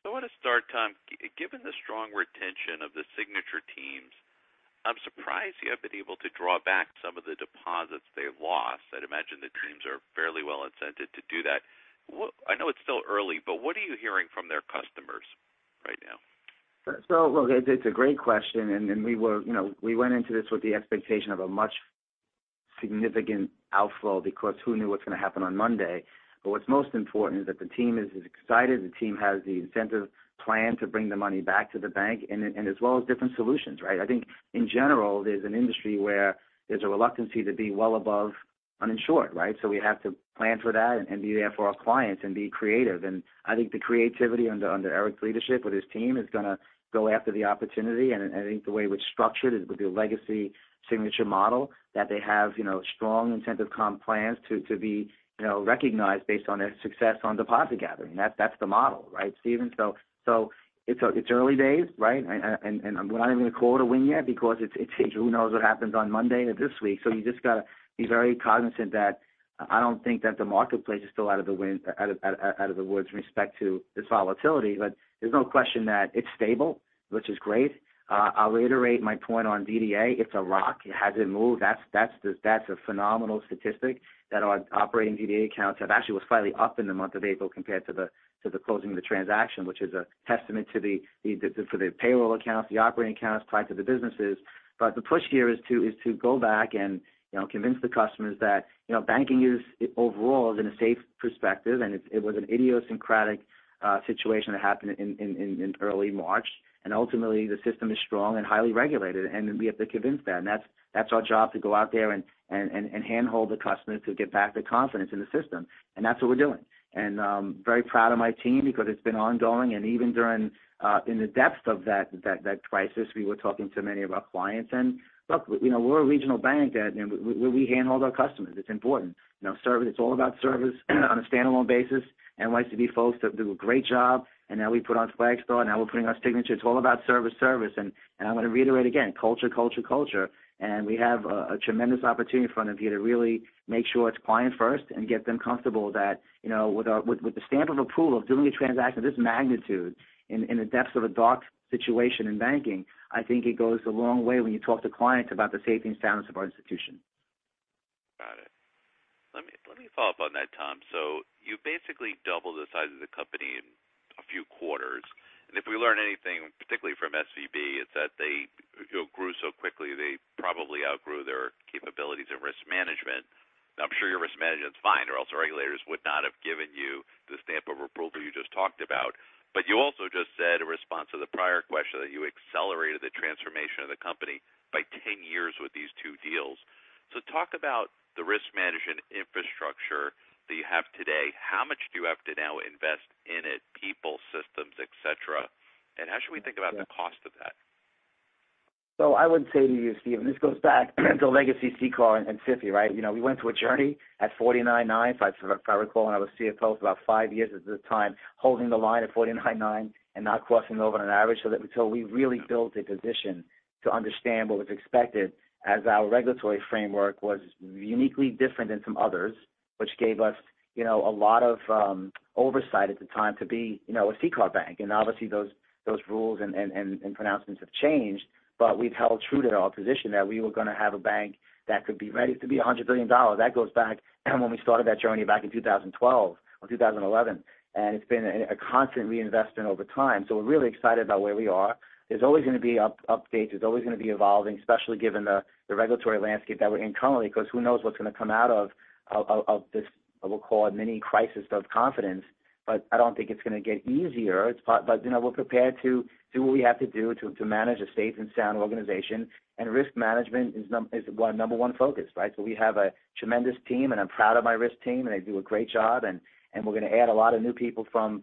I wanna start, Tom, given the strong retention of the Signature teams, I'm surprised you have been able to draw back some of the deposits they lost. I'd imagine the teams are fairly well incented to do that. I know it's still early, but what are you hearing from their customers right now? Look, it's a great question. You know, we went into this with the expectation of a much significant outflow because who knew what's gonna happen on Monday. What's most important is that the team is as excited, the team has the incentive plan to bring the money back to the bank and as well as different solutions, right? I think in general, there's an industry where there's a reluctance to be well above uninsured, right? We have to plan for that and be there for our clients and be creative. I think the creativity under Eric's leadership with his team is gonna go after the opportunity. I think the way it was structured with the legacy Signature model that they have, you know, strong incentive comp plans to be, you know, recognized based on their success on deposit gathering. That's the model, right, Steven? So it's early days, right? And we're not even gonna call it a win yet because it's who knows what happens on Monday of this week. You just gotta be very cognizant that I don't think that the marketplace is still out of the woods with respect to the volatility. There's no question that it's stable, which is great. I'll reiterate my point on DDA. It's a rock. It hasn't moved. That's a phenomenal statistic that our operating DDA accounts have actually was slightly up in the month of April compared to the closing of the transaction, which is a testament to the payroll accounts, the operating accounts tied to the businesses. The push here is to go back and, you know, convince the customers that, you know, banking is overall is in a safe perspective, and it was an idiosyncratic situation that happened in early March. Ultimately the system is strong and highly regulated, and we have to convince that. That's our job to go out there and handhold the customers to get back the confidence in the system. That's what we're doing. Very proud of my team because it's been ongoing. Even during, in the depths of that crisis, we were talking to many of our clients. Look, you know, we're a regional bank and we handhold our customers. It's important. You know, service, it's all about service on a standalone basis, NYCB folks that do a great job. Now we put on Flagstar, now we're putting on Signature. It's all about service. I'm gonna reiterate again, culture, culture. We have a tremendous opportunity in front of you to really make sure it's client first and get them comfortable that, you know, with the stamp of approval of doing a transaction of this magnitude in the depths of a dark situation in banking, I think it goes a long way when you talk to clients about the safety and soundness of our institution. Got it. Let me follow up on that, Tom. You basically doubled the size of the company in a few quarters. If we learn anything, particularly from SVB, it's that they, you know, grew so quickly they probably outgrew their capabilities in risk management. I'm sure your risk management's fine, or else the regulators would not have given you the stamp of approval you just talked about. You also just said in response to the prior question that you accelerated the transformation of the company by ten years with these two deals. Talk about the risk management infrastructure that you have today. How much do you have to now invest in it, people, systems, et cetera, and how should we think about the cost of that? I would say to you, Steven, this goes back to legacy Signature and SIFI, right? You know, we went through a journey at $49.9 billion, if I recall, and I was CFO for about five years at the time, holding the line at $49.9 billion and not crossing over on an average until we really built a position to understand what was expected as our regulatory framework was uniquely different than some others, which gave us, you know, a lot of oversight at the time to be, you know, a Signature Bank. Obviously, those rules and pronouncements have changed. We've held true to our position that we were gonna have a bank that could be ready to be $100 billion. That goes back when we started that journey back in 2012 or 2011. It's been a constant reinvestment over time. We're really excited about where we are. There's always gonna be updates. There's always gonna be evolving, especially given the regulatory landscape that we're in currently, because who knows what's gonna come out of this, we'll call it mini crisis of confidence. I don't think it's gonna get easier. You know, we're prepared to do what we have to do to manage a safe and sound organization. Risk management is our number one focus, right? We have a tremendous team, and I'm proud of my risk team, and they do a great job. We're gonna add a lot of new people from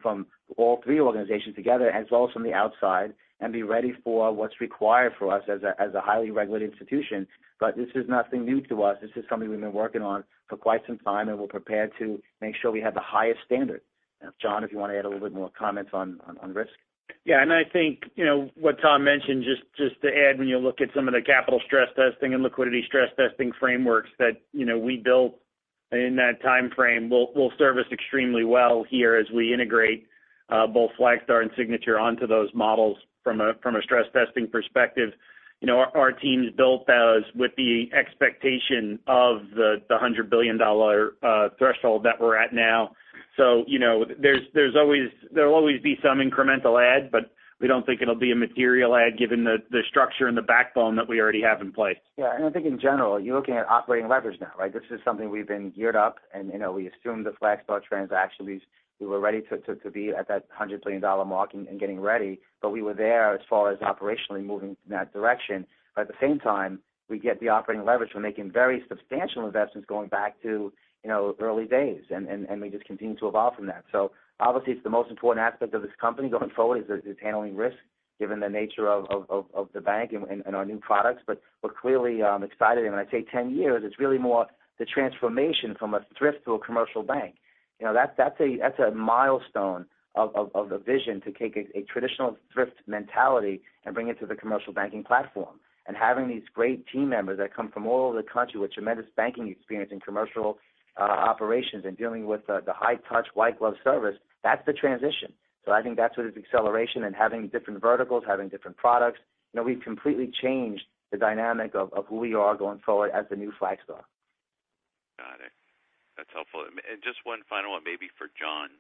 all three organizations together, as well as from the outside, and be ready for what's required for us as a highly regulated institution. This is nothing new to us. This is something we've been working on for quite some time, and we're prepared to make sure we have the highest standard. John, if you wanna add a little bit more comments on risk. Yeah. I think, you know, what Tom mentioned, just to add, when you look at some of the capital stress testing and liquidity stress testing frameworks that, you know, we built in that timeframe will serve us extremely well here as we integrate both Flagstar and Signature onto those models from a stress testing perspective. You know, our teams built those with the expectation of the $100 billion threshold that we're at now. So, you know, there will always be some incremental add, but we don't think it'll be a material add given the structure and the backbone that we already have in place. Yeah. I think in general, you're looking at operating leverage now, right? This is something we've been geared up and, you know, we assumed the Flagstar transaction. We were ready to be at that $100 billion marking and getting ready. We were there as far as operationally moving in that direction. At the same time, we get the operating leverage. We're making very substantial investments going back to, you know, early days, and we just continue to evolve from that. Obviously, it's the most important aspect of this company going forward, is handling risk given the nature of the bank and our new products. We're clearly excited. When I say ten years, it's really more the transformation from a thrift to a commercial bank. You know, that's a milestone of a vision to take a traditional thrift mentality and bring it to the commercial banking platform. Having these great team members that come from all over the country with tremendous banking experience in commercial operations and dealing with the high touch white glove service, that's the transition. I think that's where there's acceleration and having different verticals, having different products. You know, we've completely changed the dynamic of who we are going forward as the new Flagstar. Got it. That's helpful. Just one final one maybe for John.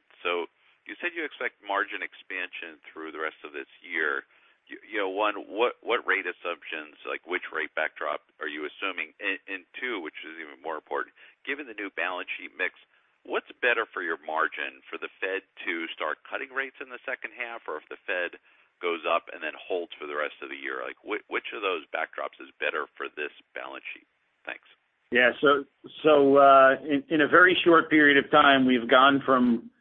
You said you expect margin expansion through the rest of this year. You, you know, one, what rate assumptions, like which rate backdrop are you assuming? And two, which is even more important, given the new balance sheet mix, what's better for your margin for the Fed to start cutting rates in the second half, or if the Fed goes up and then holds for the rest of the year, like which of those backdrops is better for this balance sheet? Thanks. Yeah. In a very short period of time, we've gone from,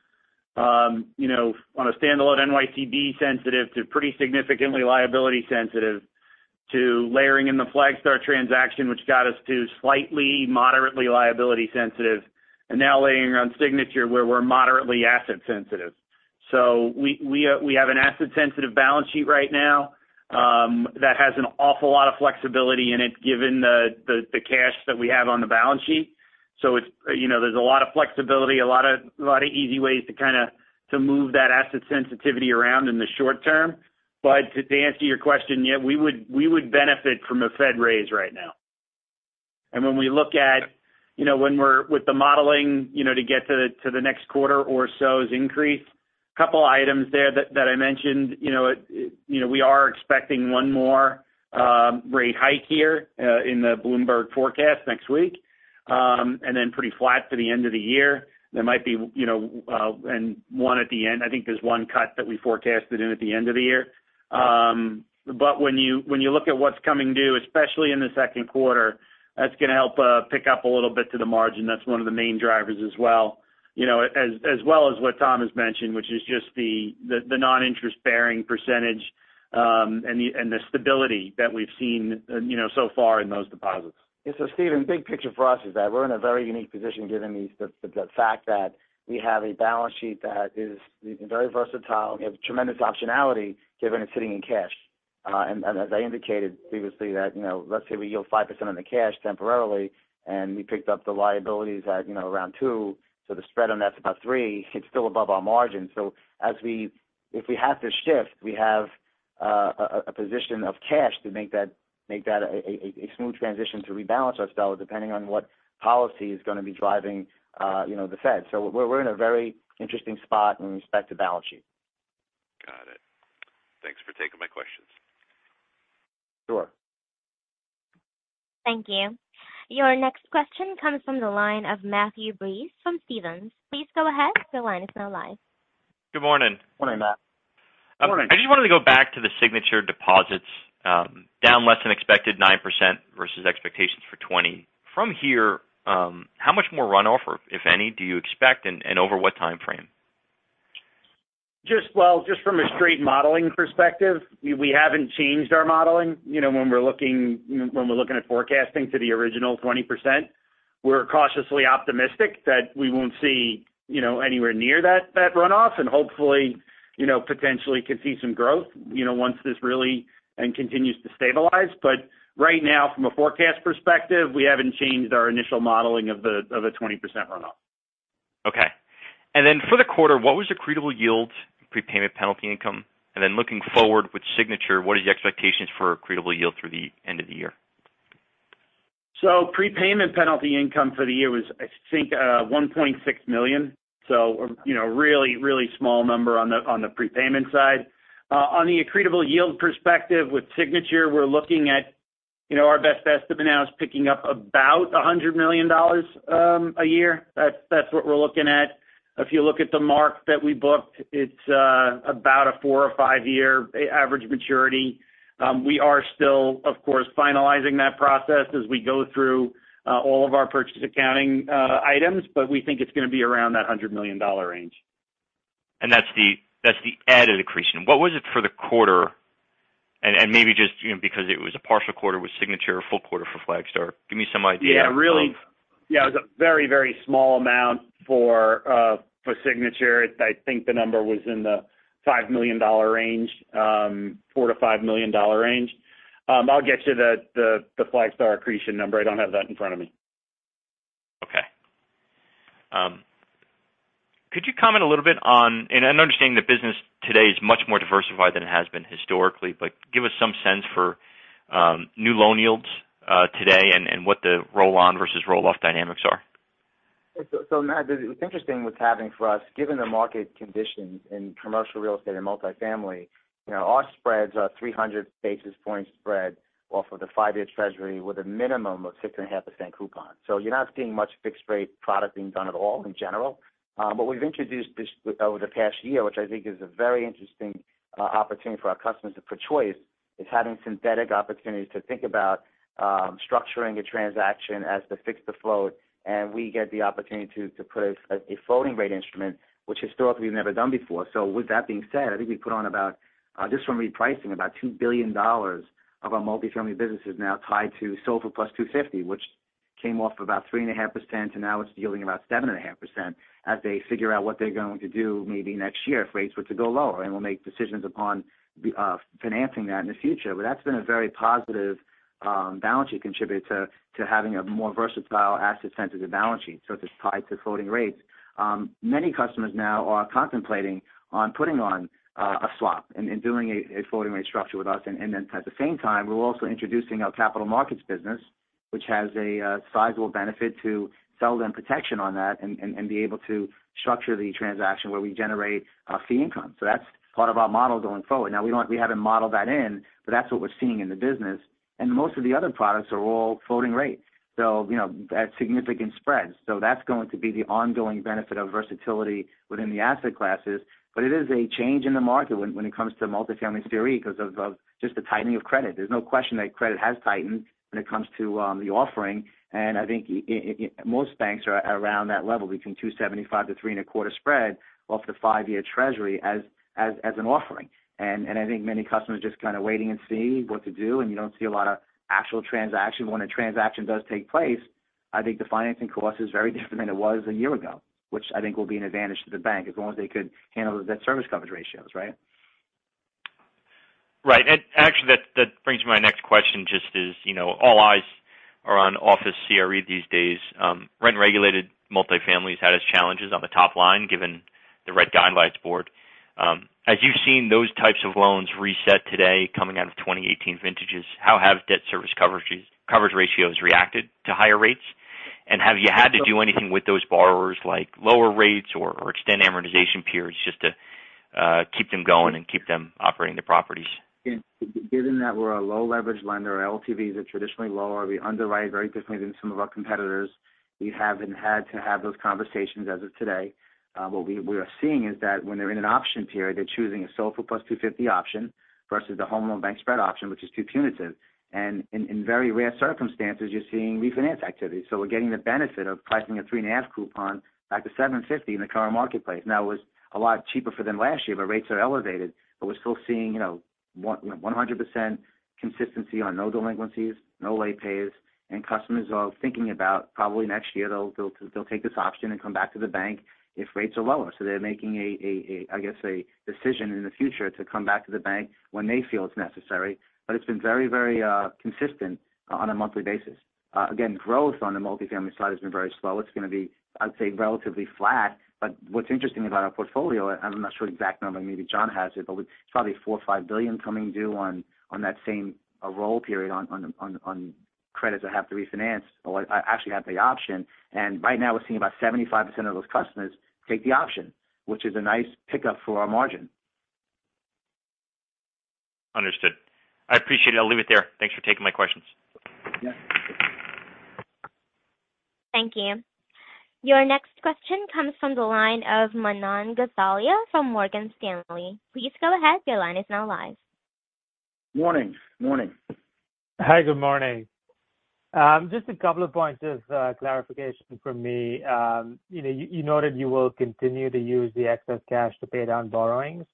you know, on a standalone NYCB sensitive to pretty significantly liability sensitive to layering in the Flagstar transaction which got us to slightly moderately liability sensitive and now layering around Signature where we're moderately asset sensitive. We have an asset sensitive balance sheet right now, that has an awful lot of flexibility in it given the cash that we have on the balance sheet. It's, you know, there's a lot of flexibility, a lot of easy ways to kind of to move that asset sensitivity around in the short-term. To answer your question, yeah, we would benefit from a Fed raise right now. When we look at, you know, when we're with the modeling, you know, to get to the, to the next quarter or so's increase, couple items there that I mentioned, you know, it, you know, we are expecting one more rate hike here in the Bloomberg forecast next week, then pretty flat for the end of the year. There might be, you know, and one at the end. I think there's one cut that we forecasted in at the end of the year. When you, when you look at what's coming due, especially in the second quarter, that's gonna help pick up a little bit to the margin. That's one of the main drivers as well. You know, as well as what Tom has mentioned, which is just the non-interest bearing percentage, and the stability that we've seen, you know, so far in those deposits. Yeah. Steven, big picture for us is that we're in a very unique position given the fact that we have a balance sheet that is very versatile. We have tremendous optionality given it's sitting in cash. And as I indicated previously that, you know, let's say we yield 5% on the cash temporarily, and we picked up the liabilities at, you know, around $2. The spread on that's about $3. It's still above our margin. If we have to shift, we have a position of cash to make that a smooth transition to rebalance ourselves depending on what policy is gonna be driving, you know, the Fed. We're in a very interesting spot in respect to balance sheet. Got it. Thanks for taking my questions. Sure. Thank you. Your next question comes from the line of Matthew Breese from Stephens. Please go ahead. Your line is now live. Good morning. Morning, Matt. Morning. I just wanted to go back to the Signature deposits, down less than expected 9% versus expectations for 20%. From here, how much more runoff, if any, do you expect, and over what time frame? Well, just from a straight modeling perspective, we haven't changed our modeling. You know, when we're looking at forecasting to the original 20%, we're cautiously optimistic that we won't see, you know, anywhere near that runoff. Hopefully, you know, potentially could see some growth, you know, once this really continues to stabilize. Right now from a forecast perspective, we haven't changed our initial modeling of a 20% runoff. Okay. Then for the quarter, what was the credible yield prepayment penalty income? Then looking forward with Signature, what is your expectations for credible yield through the end of the year? Prepayment penalty income for the year was, I think, $1.6 million. You know, really small number on the, on the prepayment side. On the accretable yield perspective with Signature, we're looking at, you know, our best estimate now is picking up about $100 million a year. That's what we're looking at. If you look at the mark that we booked, it's about a fourt or five year average maturity. We are still, of course, finalizing that process as we go through all of our purchase accounting items, but we think it's gonna be around that $100 million range. That's the added accretion. What was it for the quarter? Maybe just, you know, because it was a partial quarter with Signature, full quarter for Flagstar. Give me some idea of-. Yeah. Really, yeah, it was a very, very small amount for Signature. I think the number was in the $5 million range, $4 million-$5 million range. I'll get you the Flagstar accretion number. I don't have that in front of me. Okay. Could you comment a little bit on. I'm understanding the business today is much more diversified than it has been historically. Give us some sense for new loan yields today and what the roll-on versus roll-off dynamics are. Matt, it's interesting what's happening for us, given the market conditions in commercial real estate and multifamily, you know, our spreads are 300 basis point spread off of the five-year treasury with a minimum of 6.5% coupon. You're not seeing much fixed rate product being done at all in general. We've introduced this over the past year, which I think is a very interesting opportunity for our customers for choice is having synthetic opportunities to think about structuring a transaction as to fix the float, and we get the opportunity to put a floating rate instrument which historically we've never done before. With that being said, I think we put on about, just from repricing about $2 billion of our multifamily business is now tied to SOFR plus 250, which came off about 3.5%, and now it's yielding about 7.5% as they figure out what they're going to do maybe next year if rates were to go lower. We'll make decisions upon financing that in the future. That's been a very positive balance sheet contributor to having a more versatile asset center to the balance sheet. It's tied to floating rates. Many customers now are contemplating on putting on a swap and doing a floating rate structure with us. At the same time, we're also introducing our capital markets business, which has a sizable benefit to sell them protection on that and be able to structure the transaction where we generate fee income. That's part of our model going forward. Now we haven't modeled that in, but that's what we're seeing in the business. Most of the other products are all floating rate. You know, at significant spreads. That's going to be the ongoing benefit of versatility within the asset classes. It is a change in the market when it comes to multifamily CRE because of just the tightening of credit. There's no question that credit has tightened when it comes to the offering. I think most banks are around that level between 275-325 basis points spread off the five-year Treasury as an offering. I think many customers are just kind of waiting and see what to do, and you don't see a lot of actual transaction. When a transaction does take place, I think the financing cost is very different than it was a year ago, which I think will be an advantage to the Bank as long as they could handle the debt service coverage ratios. Right. Right. Actually, that brings me to my next question, just as you know, all eyes are on office CRE these days. Rent-regulated multifamily has had its challenges on the top line, given the Rent Guidelines Board. As you've seen those types of loans reset today coming out of 2018 vintages, how have debt service coverage ratios reacted to higher rates? Have you had to do anything with those borrowers, like lower rates or extend amortization periods just to keep them going and keep them operating the properties? Given that we're a low leverage lender, our LTVs are traditionally lower. We underwrite very differently than some of our competitors. We haven't had to have those conversations as of today. What we are seeing is that when they're in an option period, they're choosing a SOFR plus 250 option versus the home loan bank spread option, which is too punitive. In very rare circumstances, you're seeing refinance activity. We're getting the benefit of pricing a 3.5 coupon back to 750 in the current marketplace. It was a lot cheaper for them last year, rates are elevated, but we're still seeing, you know, 100% consistency on no delinquencies, no late pays, and customers are thinking about probably next year they'll take this option and come back to the bank if rates are lower. They're making a, I guess, a decision in the future to come back to the bank when they feel it's necessary. It's been very, very consistent on a monthly basis. Again, growth on the multifamily side has been very slow. It's gonna be, I'd say, relatively flat. What's interesting about our portfolio, I'm not sure the exact number, maybe John has it, but it's probably $4 billion-$5 billion coming due on that same roll period on credits that have to refinance or actually have the option. Right now we're seeing about 75% of those customers take the option, which is a nice pickup for our margin. Understood. I appreciate it. I'll leave it there. Thanks for taking my questions. Yeah. Thank you. Your next question comes from the line of Manan Gosalia from Morgan Stanley. Please go ahead. Your line is now live. Morning. Morning. Hi. Good morning. Just a couple of points of clarification from me. You know, you noted you will continue to use the excess cash to pay down borrowings.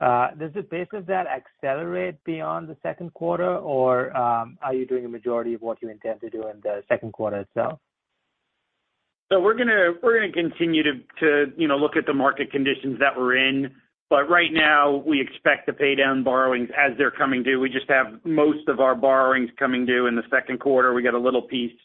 Does the pace of that accelerate beyond the second quarter or are you doing a majority of what you intend to do in the second quarter itself? We're gonna continue to, you know, look at the market conditions that we're in, but right now we expect to pay down borrowings as they're coming due. We just have most of our borrowings coming due in the second quarter. We got a little piece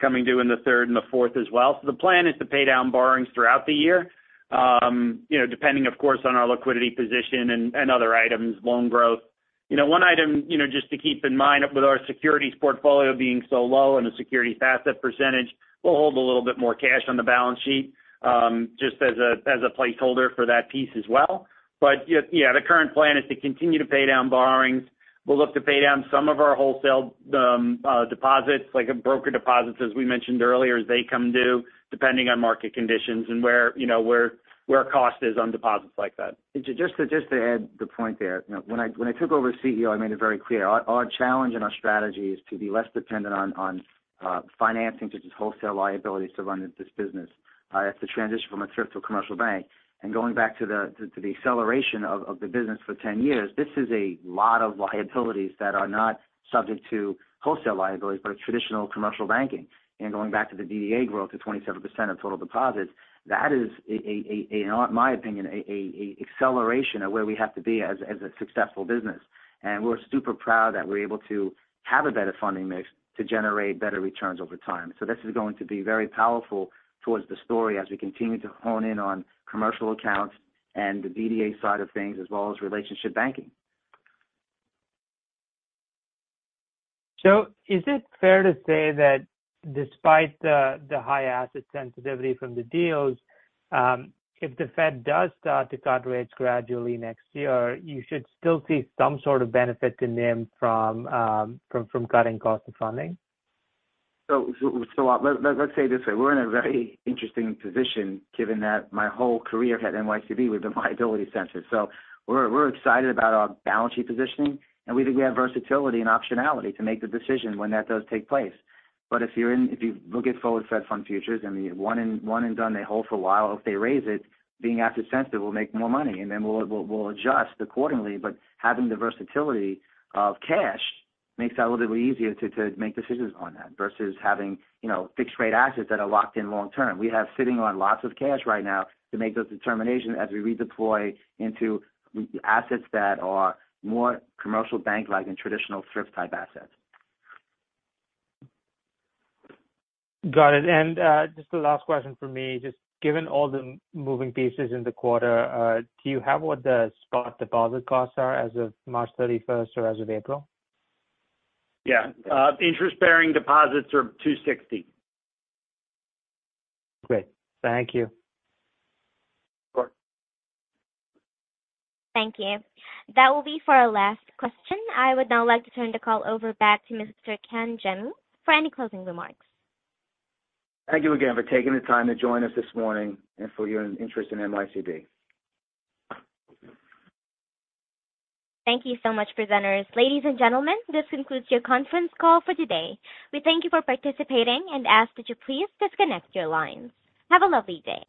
coming due in the third and the fourth as well. The plan is to pay down borrowings throughout the year, you know, depending of course on our liquidity position and other items, loan growth. One item, you know, just to keep in mind with our securities portfolio being so low and the securities asset percentage, we'll hold a little bit more cash on the balance sheet, just as a, as a placeholder for that piece as well. Yeah, the current plan is to continue to pay down borrowings. We'll look to pay down some of our wholesale deposits like broker deposits as we mentioned earlier, as they come due, depending on market conditions and where, you know, where cost is on deposits like that. Just to add the point there. You know, when I took over CEO, I made it very clear our challenge and our strategy is to be less dependent on financing such as wholesale liabilities to run this business. It's a transition from a thrift to a commercial bank. Going back to the acceleration of the business for ten years, this is a lot of liabilities that are not subject to wholesale liabilities, but a traditional commercial banking. Going back to the DDA growth to 27% of total deposits, that is a, in my opinion, a acceleration of where we have to be as a successful business. We're super proud that we're able to have a better funding mix to generate better returns over time. This is going to be very powerful towards the story as we continue to hone in on commercial accounts and the BDA side of things as well as relationship banking. Is it fair to say that despite the high asset sensitivity from the deals, if the Fed does start to cut rates gradually next year, you should still see some sort of benefit to NIM from cutting cost of funding? Let's say this way. We're in a very interesting position given that my whole career at NYCB we've been liability sensitive. We're excited about our balance sheet positioning, and we think we have versatility and optionality to make the decision when that does take place. If you look at forward Fed fund futures and one and done, they hold for a while, if they raise it, being asset sensitive, we'll make more money and then we'll adjust accordingly. Having the versatility of cash makes that a little bit easier to make decisions on that versus having, you know, fixed rate assets that are locked in long-term. We have sitting on lots of cash right now to make those determinations as we redeploy into assets that are more commercial bank-like and traditional thrift-type assets. Got it. Just the last question from me. Just given all the moving pieces in the quarter, do you have what the spot deposit costs are as of 31st March or as of April? Yeah. Interest bearing deposits are $260. Great. Thank you. Sure. Thank you. That will be for our last question. I would now like to turn the call over back to Mr. Thomas Cangemi for any closing remarks. Thank you again for taking the time to join us this morning and for your interest in NYCB. Thank you so much, presenters. Ladies and gentlemen, this concludes your conference call for today. We thank you for participating and ask that you please disconnect your lines. Have a lovely day.